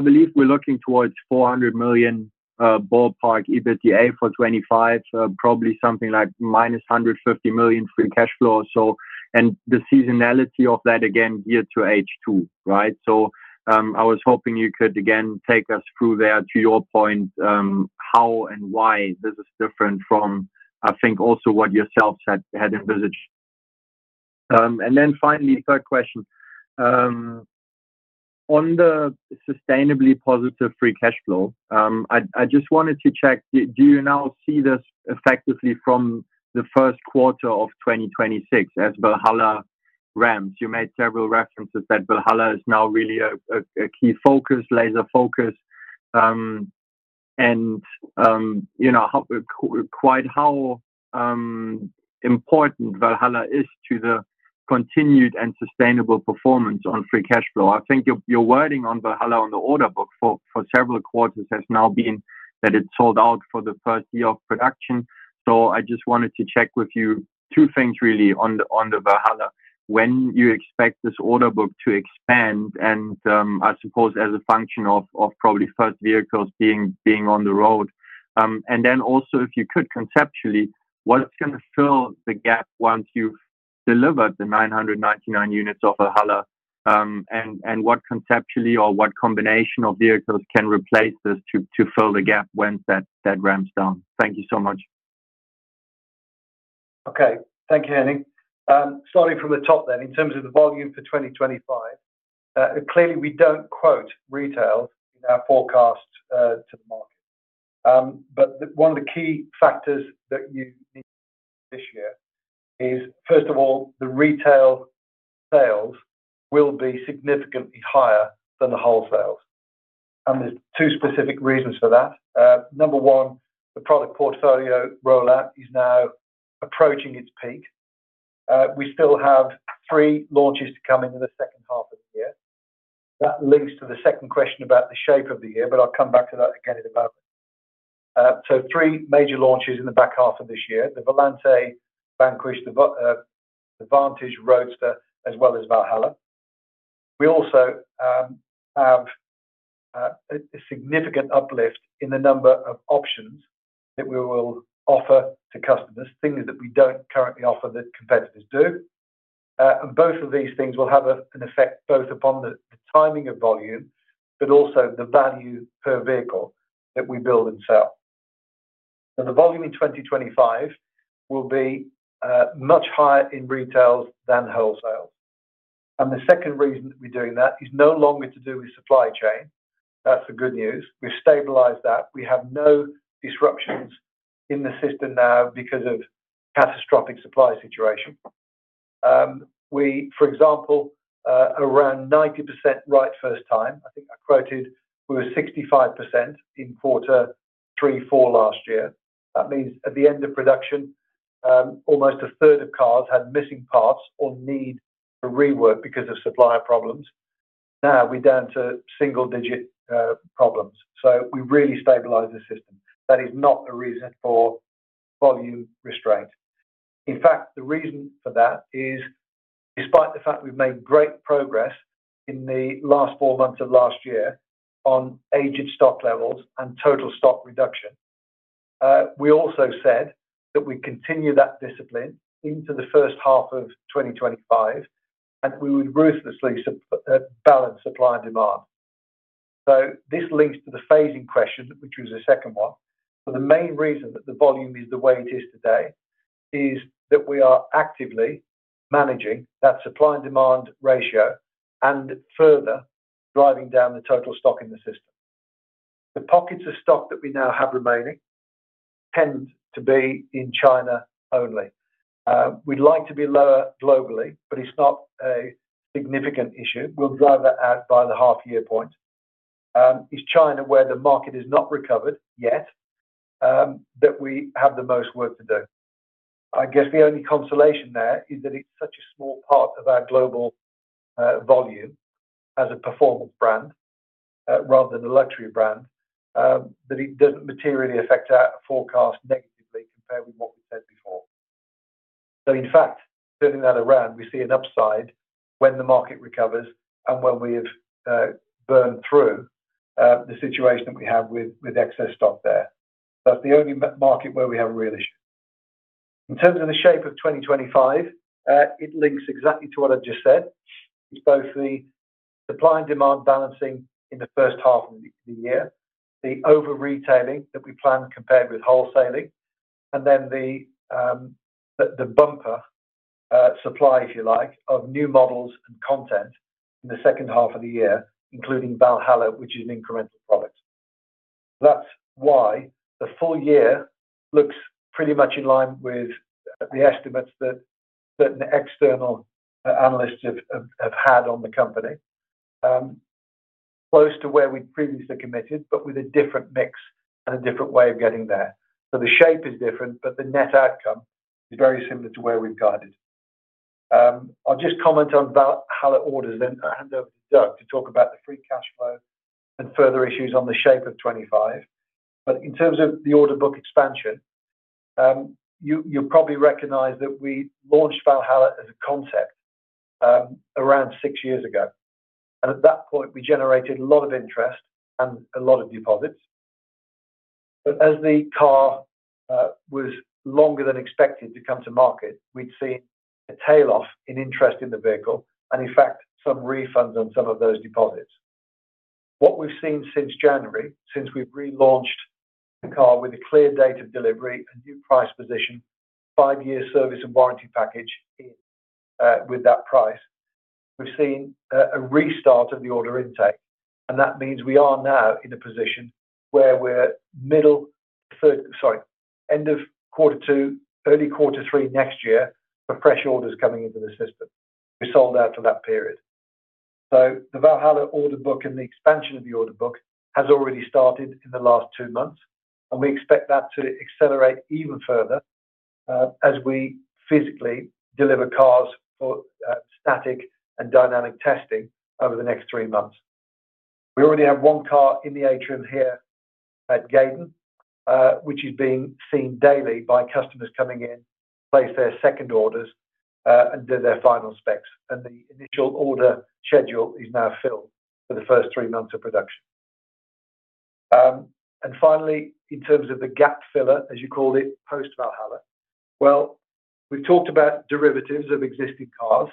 believe we're looking towards 400 million ballpark EBITDA for 2025, probably something like -150 million free cash flow or so, and the seasonality of that, again, year to H2, right? So I was hoping you could, again, take us through there to your point, how and why this is different from, I think, also what yourself had envisioned. And then finally, third question. On the sustainably positive free cash flow, I just wanted to check, do you now see this effectively from the first quarter of 2026 as Valhalla ramps? You made several references that Valhalla is now really a key focus, laser focus, and quite how important Valhalla is to the continued and sustainable performance on free cash flow. I think your wording on Valhalla on the order book for several quarters has now been that it's sold out for the first year of production. So I just wanted to check with you two things, really, on the Valhalla. When do you expect this order book to expand? And I suppose as a function of probably first vehicles being on the road. And then also, if you could, conceptually, what's going to fill the gap once you've delivered the 999 units of Valhalla? And what conceptually or what combination of vehicles can replace this to fill the gap once that ramps down? Thank you so much. Okay, thank you, Henning. Starting from the top then, in terms of the volume for 2025, clearly, we don't quote retail in our forecast to the market. But one of the key factors that you need this year is, first of all, the retail sales will be significantly higher than the wholesales. And there's two specific reasons for that. Number one, the product portfolio rollout is now approaching its peak. We still have three launches to come into the second half of the year. That links to the second question about the shape of the year, but I'll come back to that again in a moment, so three major launches in the back half of this year: the Vanquish Volante, the Vantage Roadster, as well as Valhalla. We also have a significant uplift in the number of options that we will offer to customers, things that we don't currently offer that competitors do, and both of these things will have an effect both upon the timing of volume, but also the value per vehicle that we build and sell, and the volume in 2025 will be much higher in retails than wholesales, and the second reason that we're doing that is no longer to do with supply chain. That's the good news. We've stabilized that. We have no disruptions in the system now because of catastrophic supply situation. We, for example, around 90% right first time. I think I quoted we were 65% in quarter three, four last year. That means at the end of production, almost a third of cars had missing parts or need to rework because of supplier problems. Now we're down to single-digit problems. So we really stabilized the system. That is not a reason for volume restraint. In fact, the reason for that is, despite the fact we've made great progress in the last four months of last year on aged stock levels and total stock reduction, we also said that we continue that discipline into the first half of 2025, and we would ruthlessly balance supply and demand. So this links to the phasing question, which was the second one. But the main reason that the volume is the way it is today is that we are actively managing that supply and demand ratio and further driving down the total stock in the system. The pockets of stock that we now have remaining tend to be in China only. We'd like to be lower globally, but it's not a significant issue. We'll drive that out by the half-year point. It's China where the market has not recovered yet that we have the most work to do. I guess the only consolation there is that it's such a small part of our global volume as a performance brand rather than a luxury brand, that it doesn't materially affect our forecast negatively compared with what we've said before. So, in fact, turning that around, we see an upside when the market recovers and when we have burned through the situation that we have with excess stock there. That's the only market where we have a real issue. In terms of the shape of 2025, it links exactly to what I've just said. It's both the supply and demand balancing in the first half of the year, the over-retailing that we plan compared with wholesaling, and then the bumper supply, if you like, of new models and content in the second half of the year, including Valhalla, which is an incremental product. That's why the full year looks pretty much in line with the estimates that certain external analysts have had on the company, close to where we previously committed, but with a different mix and a different way of getting there. So the shape is different, but the net outcome is very similar to where we've guided. I'll just comment on Valhalla orders and hand over to Doug to talk about the free cash flow and further issues on the shape of 2025. But in terms of the order book expansion, you'll probably recognize that we launched Valhalla as a concept around six years ago. And at that point, we generated a lot of interest and a lot of deposits. But as the car was longer than expected to come to market, we'd seen a tail-off in interest in the vehicle and, in fact, some refunds on some of those deposits. What we've seen since January, since we've relaunched the car with a clear date of delivery, a new price position, five-year service and warranty package with that price, we've seen a restart of the order intake. That means we are now in a position where we're middle third, sorry, end of quarter two, early quarter three next year for fresh orders coming into the system. We sold out for that period. So the Valhalla order book and the expansion of the order book has already started in the last two months, and we expect that to accelerate even further as we physically deliver cars for static and dynamic testing over the next three months. We already have one car in the atrium here at Gaydon, which is being seen daily by customers coming in to place their second orders and do their final specs. And the initial order schedule is now filled for the first three months of production. And finally, in terms of the gap filler, as you called it, post-Valhalla, well, we've talked about derivatives of existing cars.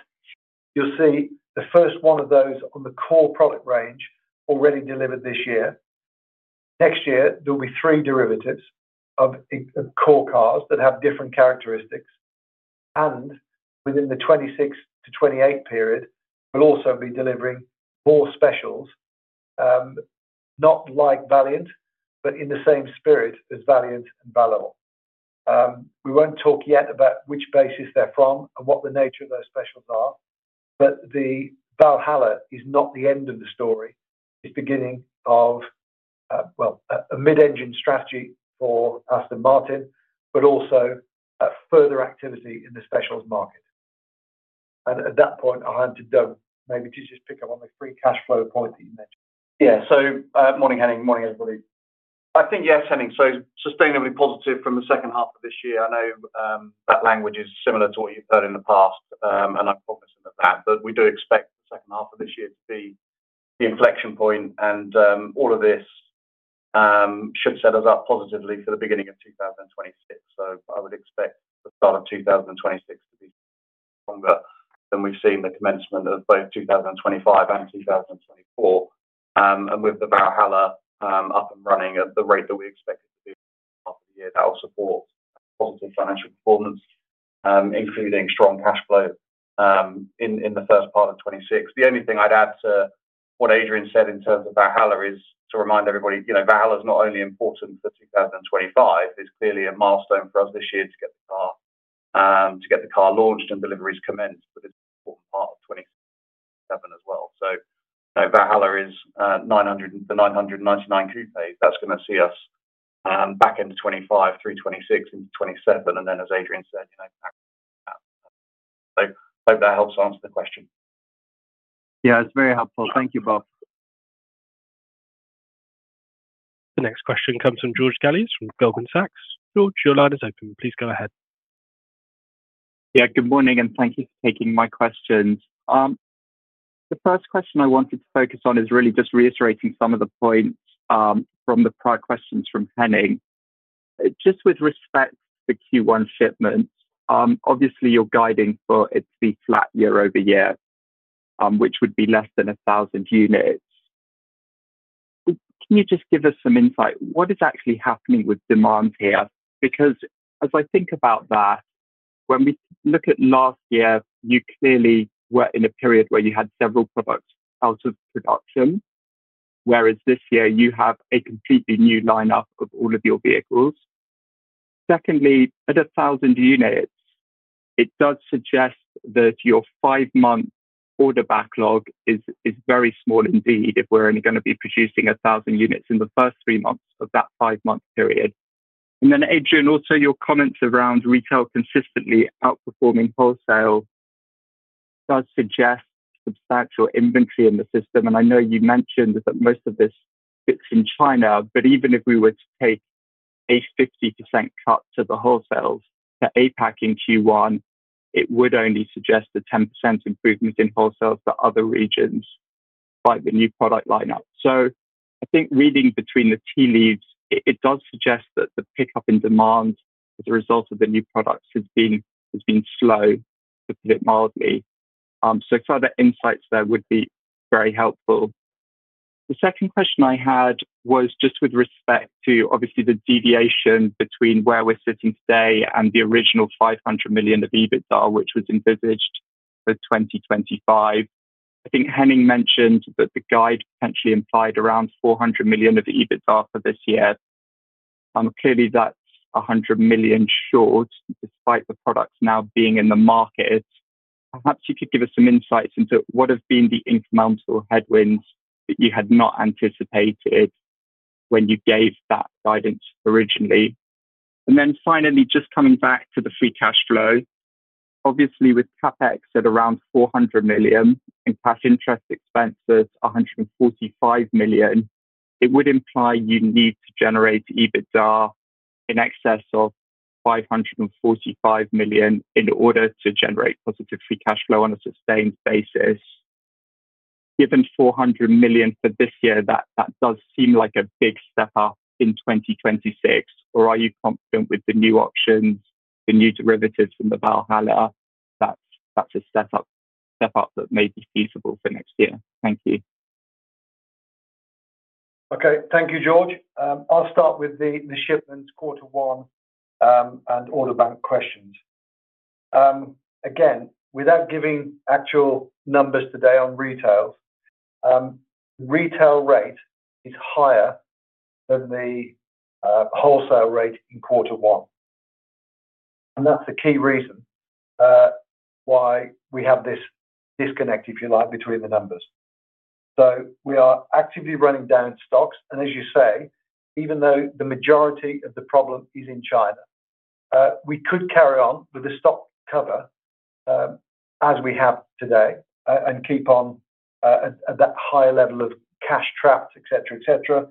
You'll see the first one of those on the core product range already delivered this year. Next year, there will be three derivatives of core cars that have different characteristics. And within the 2026 to 2028 period, we'll also be delivering more specials, not like Valiant, but in the same spirit as Valiant and Valour. We won't talk yet about which basis they're from and what the nature of those specials are. But the Valhalla is not the end of the story. It's the beginning of, well, a mid-engined strategy for Aston Martin, but also further activity in the specials market. And at that point, I'll hand to Doug maybe to just pick up on the free cash flow point that you mentioned. Yeah. So, morning, Henning. Morning, everybody. I think, yes, Henning. So, sustainably positive from the second half of this year. I know that language is similar to what you've heard in the past, and I'm cognizant of that. But we do expect the second half of this year to be the inflection point, and all of this should set us up positively for the beginning of 2026. So I would expect the start of 2026 to be stronger than we've seen the commencement of both 2025 and 2024. And with the Valhalla up and running at the rate that we expected to be at the start of the year, that will support positive financial performance, including strong cash flow in the first part of 2026. The only thing I'd add to what Adrian said in terms of Valhalla is to remind everybody, Valhalla is not only important for 2025. It's clearly a milestone for us this year to get the car launched and deliveries commenced, but it's an important part of 2027 as well. So Valhalla is the 999 coupe. That's going to see us back into 2025, through 2026, into 2027, and then, as Adrian said, that. So I hope that helps answer the question. Yeah, it's very helpful. Thank you both. The next question comes from George Galliers from Goldman Sachs. George, your line is open. Please go ahead. Yeah, good morning, and thank you for taking my questions. The first question I wanted to focus on is really just reiterating some of the points from the prior questions from Henning. Just with respect to the Q1 shipments, obviously, you're guiding for it to be flat year over year, which would be less than 1,000 units. Can you just give us some insight? What is actually happening with demand here? Because as I think about that, when we look at last year, you clearly were in a period where you had several products out of production, whereas this year you have a completely new lineup of all of your vehicles. Secondly, at 1,000 units, it does suggest that your five-month order backlog is very small indeed if we're only going to be producing 1,000 units in the first three months of that five-month period. And then, Adrian, also your comments around retail consistently outperforming wholesale does suggest substantial inventory in the system. And I know you mentioned that most of this fits in China, but even if we were to take a 50% cut to the wholesales, to APAC in Q1, it would only suggest a 10% improvement in wholesales for other regions despite the new product lineup. So I think reading between the tea leaves, it does suggest that the pickup in demand as a result of the new products has been slow, to put it mildly. So further insights there would be very helpful. The second question I had was just with respect to, obviously, the deviation between where we're sitting today and the original 500 million of EBITDA, which was envisaged for 2025. I think Henning mentioned that the guide potentially implied around 400 million of EBITDA for this year. Clearly, that's 100 million short despite the products now being in the market. Perhaps you could give us some insights into what have been the incremental headwinds that you had not anticipated when you gave that guidance originally. And then finally, just coming back to the free cash flow, obviously, with CapEx at around 400 million and cash interest expenses 145 million, it would imply you need to generate EBITDA in excess of 545 million in order to generate positive free cash flow on a sustained basis. Given 400 million for this year, that does seem like a big step up in 2026. Or are you confident with the new options, the new derivatives from the Valhalla, that's a step up that may be feasible for next year? Thank you. Okay. Thank you, George. I'll start with the shipments, quarter one, and order bank questions. Again, without giving actual numbers today on retails, the retail rate is higher than the wholesale rate in quarter one. And that's the key reason why we have this disconnect, if you like, between the numbers. So we are actively running down stocks. And as you say, even though the majority of the problem is in China, we could carry on with the stock cover as we have today and keep on at that higher level of cash traps, etc., etc.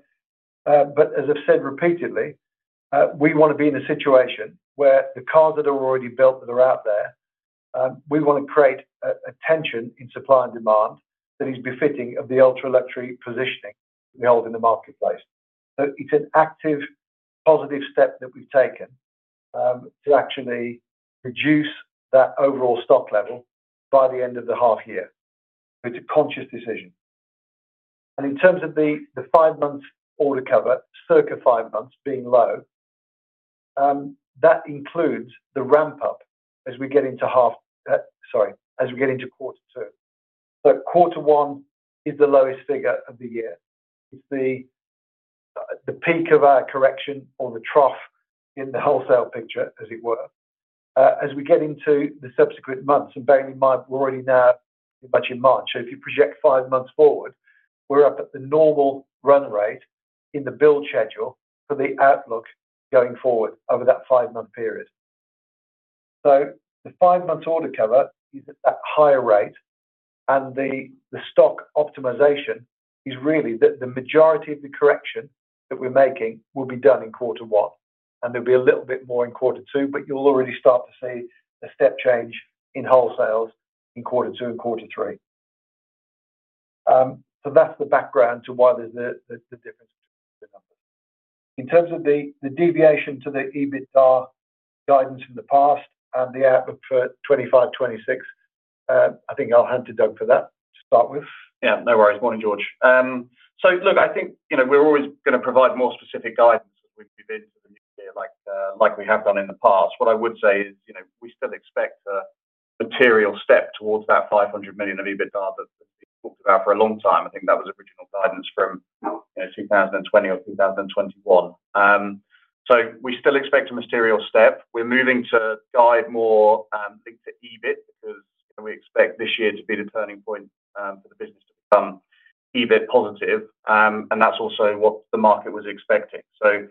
But as I've said repeatedly, we want to be in a situation where the cars that are already built that are out there, we want to create a tension in supply and demand that is befitting of the ultra-luxury positioning we hold in the marketplace. So it's an active positive step that we've taken to actually reduce that overall stock level by the end of the half year. It's a conscious decision. And in terms of the five-month order cover, circa five months being low, that includes the ramp-up as we get into half. Sorry, as we get into quarter two. So quarter one is the lowest figure of the year. It's the peak of our correction or the trough in the wholesale picture, as it were. As we get into the subsequent months, and bearing in mind we're already now pretty much in March, so if you project five months forward, we're up at the normal run rate in the build schedule for the outlook going forward over that five-month period. So the five-month order cover is at that higher rate, and the stock optimization is really that the majority of the correction that we're making will be done in quarter one. And there'll be a little bit more in quarter two, but you'll already start to see a step change in wholesales in quarter two and quarter three. So that's the background to why there's the difference between the numbers. In terms of the deviation to the EBITDA guidance in the past and the outlook for 2025, 2026, I think I'll hand to Doug for that to start with. Yeah, no worries. Morning, George. So, look, I think we're always going to provide more specific guidance as we move into the new year, like we have done in the past. What I would say is we still expect a material step towards that 500 million of EBITDA that we've talked about for a long time. I think that was original guidance from 2020 or 2021, so we still expect a material step. We're moving to guide more linked to EBIT because we expect this year to be the turning point for the business to become EBIT positive, and that's also what the market was expecting, so still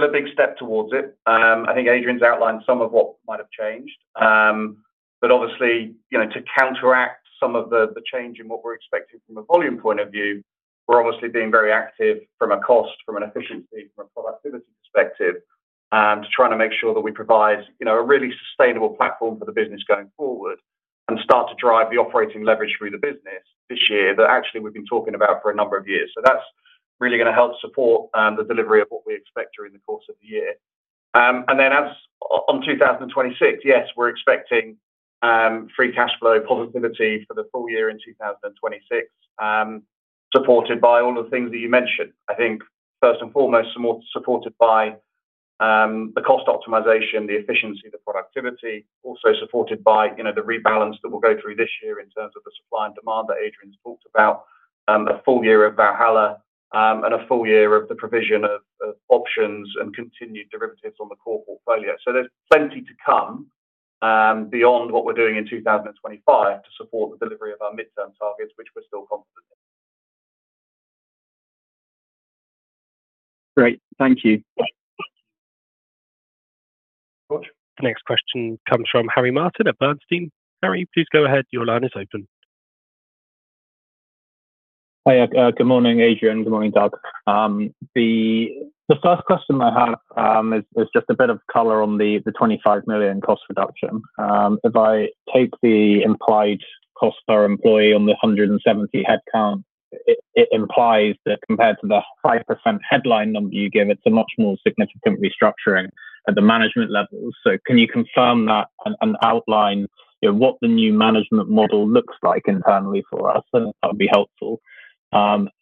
a big step towards it. I think Adrian's outlined some of what might have changed. But obviously, to counteract some of the change in what we're expecting from a volume point of view, we're obviously being very active from a cost, from an efficiency, from a productivity perspective, to try and make sure that we provide a really sustainable platform for the business going forward and start to drive the operating leverage through the business this year that actually we've been talking about for a number of years. So that's really going to help support the delivery of what we expect during the course of the year. And then on 2026, yes, we're expecting free cash flow positivity for the full year in 2026, supported by all the things that you mentioned. I think, first and foremost, supported by the cost optimization, the efficiency, the productivity, also supported by the rebalance that we'll go through this year in terms of the supply and demand that Adrian's talked about, a full year of Valhalla, and a full year of the provision of options and continued derivatives on the core portfolio. So there's plenty to come beyond what we're doing in 2025 to support the delivery of our midterm targets, which we're still confident in. Great. Thank you. The next question comes from Harry Martin at Bernstein. Harry, please go ahead. Your line is open. Hi, [Edgar]. Good morning, Adrian. Good morning, Doug. The first question I have is just a bit of color on the 25 million cost reduction. If I take the implied cost per employee on the 170 headcount, it implies that compared to the 5% headline number you give, it's a much more significant restructuring at the management level. So can you confirm that and outline what the new management model looks like internally for us? That would be helpful. The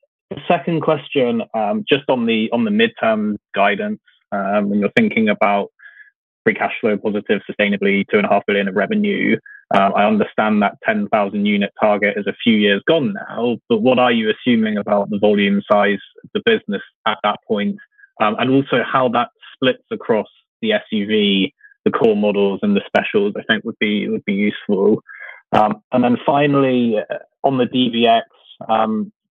second question, just on the midterm guidance, when you're thinking about free cash flow positive, sustainably 2.5 billion of revenue, I understand that 10,000 unit target is a few years gone now. But what are you assuming about the volume size of the business at that point? And also how that splits across the SUV, the core models, and the specials, I think, would be useful. And then finally, on the DBX,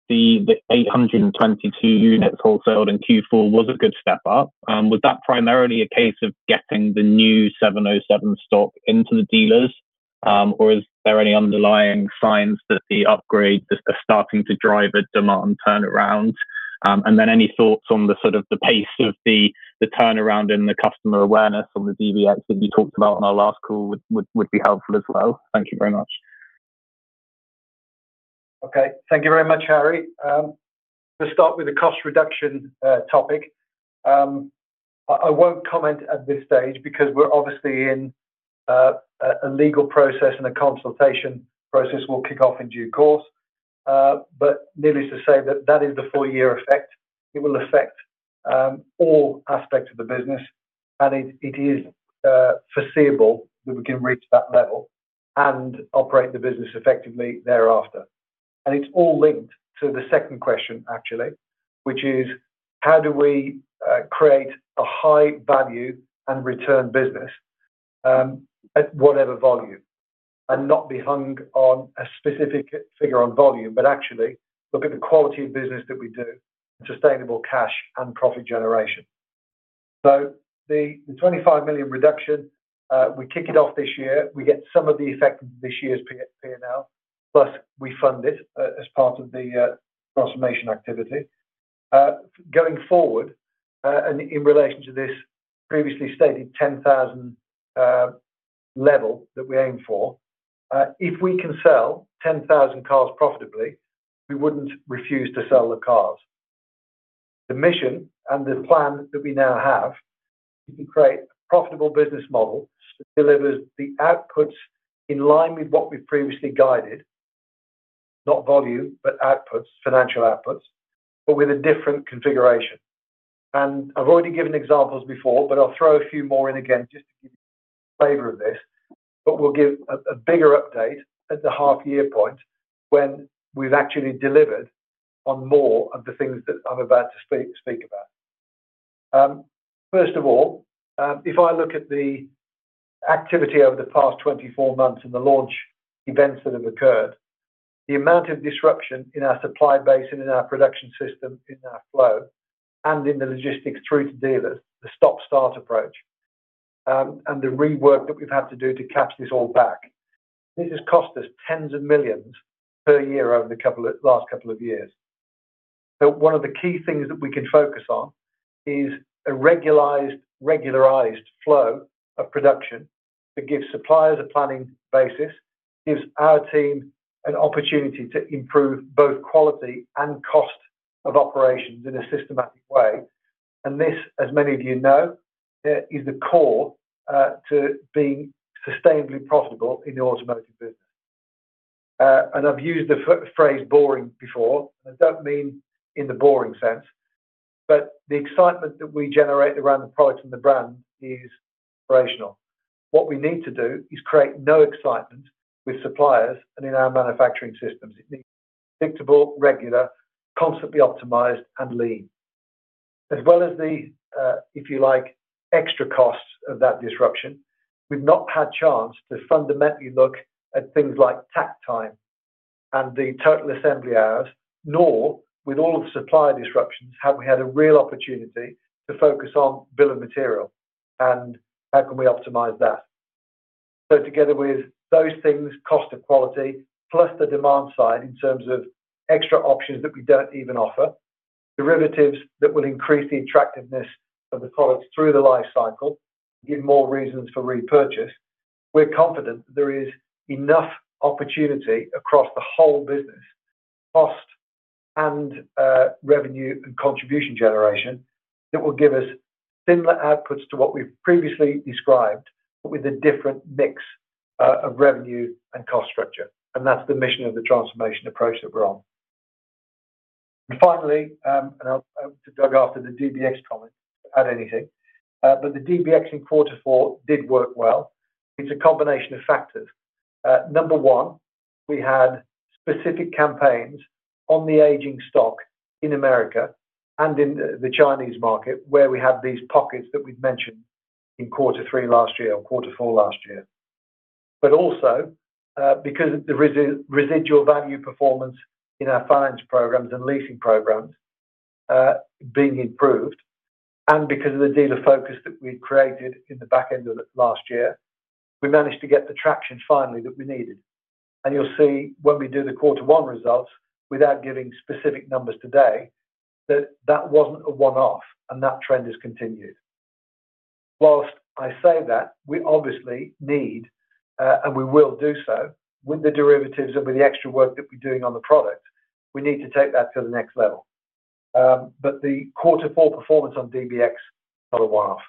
the 822 units wholesaled in Q4 was a good step up. Was that primarily a case of getting the new 707 stock into the dealers, or is there any underlying signs that the upgrade is starting to drive a demand turnaround? And then any thoughts on the pace of the turnaround and the customer awareness on the DBX that you talked about on our last call would be helpful as well. Thank you very much. Okay. Thank you very much, Harry. To start with the cost reduction topic, I won't comment at this stage because we're obviously in a legal process and a consultation process will kick off in due course. But needless to say, that is the full year effect. It will affect all aspects of the business, and it is foreseeable that we can reach that level and operate the business effectively thereafter. And it's all linked to the second question, actually, which is, how do we create a high-value and return business at whatever volume and not be hung on a specific figure on volume, but actually look at the quality of business that we do and sustainable cash and profit generation? So the 25 million reduction, we kick it off this year. We get some of the effect of this year's P&L, plus we fund it as part of the transformation activity. Going forward, and in relation to this previously stated 10,000 level that we aim for, if we can sell 10,000 cars profitably, we wouldn't refuse to sell the cars. The mission and the plan that we now have is to create a profitable business model that delivers the outputs in line with what we've previously guided, not volume, but outputs, financial outputs, but with a different configuration. And I've already given examples before, but I'll throw a few more in again just to give you a flavor of this. But we'll give a bigger update at the half-year point when we've actually delivered on more of the things that I'm about to speak about. First of all, if I look at the activity over the past 24 months and the launch events that have occurred, the amount of disruption in our supply base and in our production system, in our flow, and in the logistics through to dealers, the stop-start approach, and the rework that we've had to do to catch this all back, this has cost us tens of millions per year over the last couple of years. So one of the key things that we can focus on is a regularized flow of production that gives suppliers a planning basis, gives our team an opportunity to improve both quality and cost of operations in a systematic way. And this, as many of you know, is the core to being sustainably profitable in the automotive business. And I've used the phrase boring before, and I don't mean in the boring sense, but the excitement that we generate around the product and the brand is operational. What we need to do is create no excitement with suppliers and in our manufacturing systems. It needs predictable, regular, constantly optimized, and lean. As well as the, if you like, extra costs of that disruption, we've not had a chance to fundamentally look at things like takt time and the total assembly hours, nor with all of the supply disruptions, have we had a real opportunity to focus on bill of materials and how can we optimize that. So together with those things, cost of quality, plus the demand side in terms of extra options that we don't even offer, derivatives that will increase the attractiveness of the product through the life cycle, give more reasons for repurchase, we're confident that there is enough opportunity across the whole business, cost, and revenue and contribution generation that will give us similar outputs to what we've previously described, but with a different mix of revenue and cost structure, and that's the mission of the transformation approach that we're on. Finally, and I'll hope to touch on after the DBX comment or anything, but the DBX in quarter four did work well. It's a combination of factors. Number one, we had specific campaigns on the aging stock in America and in the Chinese market where we had these pockets that we've mentioned in quarter three last year or quarter four last year. But also, because of the residual value performance in our finance programs and leasing programs being improved, and because of the dealer focus that we created in the back end of last year, we managed to get the traction finally that we needed. You'll see when we do the quarter one results, without giving specific numbers today, that that wasn't a one-off, and that trend has continued. While I say that, we obviously need, and we will do so, with the derivatives and with the extra work that we're doing on the product, we need to take that to the next level. But the quarter four performance on DBX is not a one-off.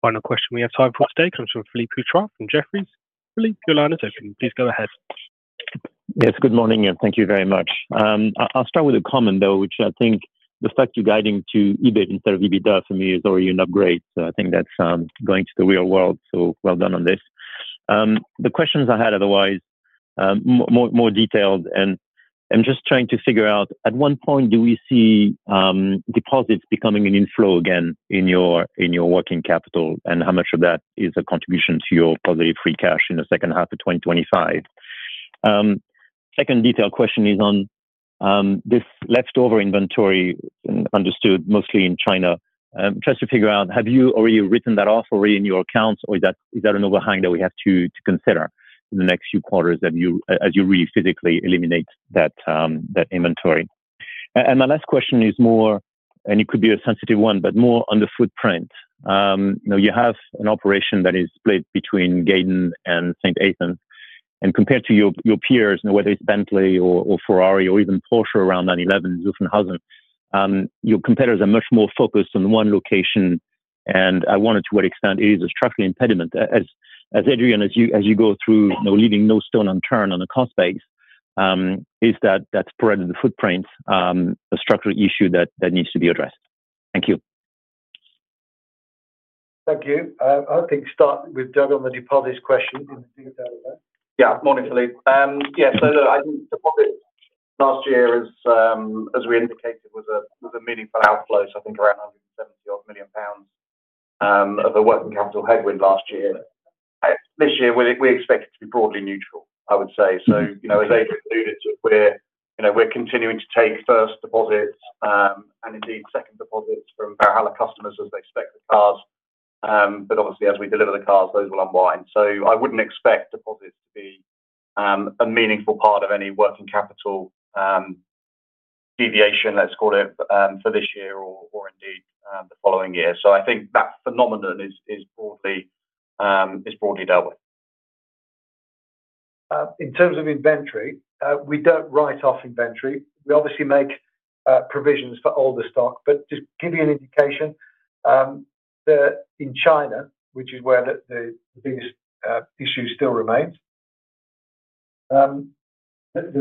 Final question we have time for today comes from Philippe Houchois from Jefferies. Philippe, your line is open. Please go ahead. Yes, good morning, and thank you very much. I'll start with a comment, though, which I think the fact you're guiding to EBIT instead of EBITDA for me is already an upgrade. So I think that's going to the real world, so well done on this. The questions I had otherwise are more detailed, and I'm just trying to figure out, at one point, do we see deposits becoming an inflow again in your working capital, and how much of that is a contribution to your positive free cash in the second half of 2025? Second detailed question is on this leftover inventory, understood mostly in China. I'm trying to figure out, have you already written that off already in your accounts, or is that an overhang that we have to consider in the next few quarters as you really physically eliminate that inventory? And my last question is more, and it could be a sensitive one, but more on the footprint. You have an operation that is split between Gaydon and St Athan. And compared to your peers, whether it's Bentley or Ferrari or even Porsche around 911, Zuffenhausen, your competitors are much more focused on one location. And I wonder to what extent it is a structural impediment, as Adrian, as you go through, leaving no stone unturned on the cost base, is that spread of the footprint, a structural issue that needs to be addressed. Thank you. Thank you. I think start with Doug on the deposits question in the detail of that. Yeah, morning, Philippe. Yeah, so look, I think deposits last year, as we indicated, was a meaningful outflow, so I think around 170-odd million pounds of a working capital headwind last year. This year, we expect it to be broadly neutral, I would say. So as Adrian alluded to, we're continuing to take first deposits and indeed second deposits from Valhalla customers as they spec the cars. But obviously, as we deliver the cars, those will unwind. So I wouldn't expect deposits to be a meaningful part of any working capital deviation, let's call it, for this year or indeed the following year. So I think that phenomenon is broadly dealt with. In terms of inventory, we don't write off inventory. We obviously make provisions for older stock. But just giving you an indication, in China, which is where the biggest issue still remains, the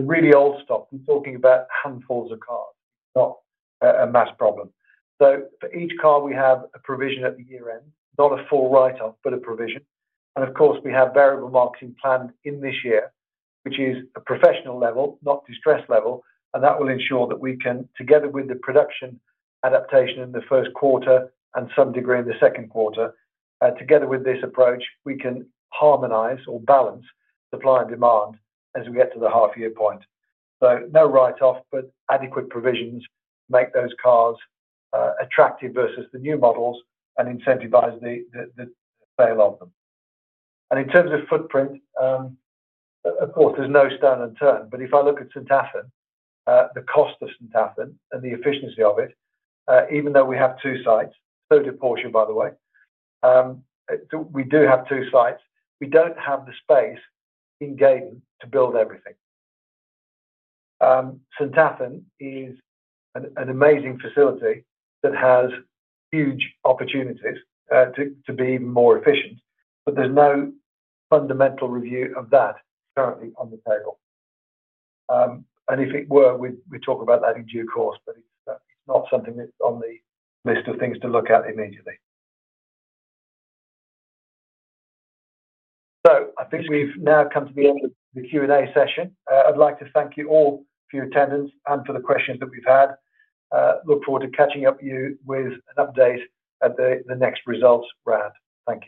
really old stock, I'm talking about handfuls of cars, it's not a mass problem. So for each car, we have a provision at the year end, not a full write-off, but a provision. And of course, we have variable marketing planned in this year, which is a professional level, not distress level. That will ensure that we can, together with the production adaptation in the first quarter and some degree in the second quarter, together with this approach, we can harmonize or balance supply and demand as we get to the half-year point. No write-off, but adequate provisions to make those cars attractive versus the new models and incentivize the sale of them. In terms of footprint, of course, there's no stone unturned. If I look at St Athan, the cost of St Athan and the efficiency of it, even though we have two sites, so did Porsche, by the way, we do have two sites, we don't have the space in Gaydon to build everything. St Athan is an amazing facility that has huge opportunities to be even more efficient, but there's no fundamental review of that currently on the table. And if it were, we'd talk about that in due course, but it's not something that's on the list of things to look at immediately. So I think we've now come to the end of the Q&A session. I'd like to thank you all for your attendance and for the questions that we've had. Look forward to catching up with you with an update at the next results round. Thank you.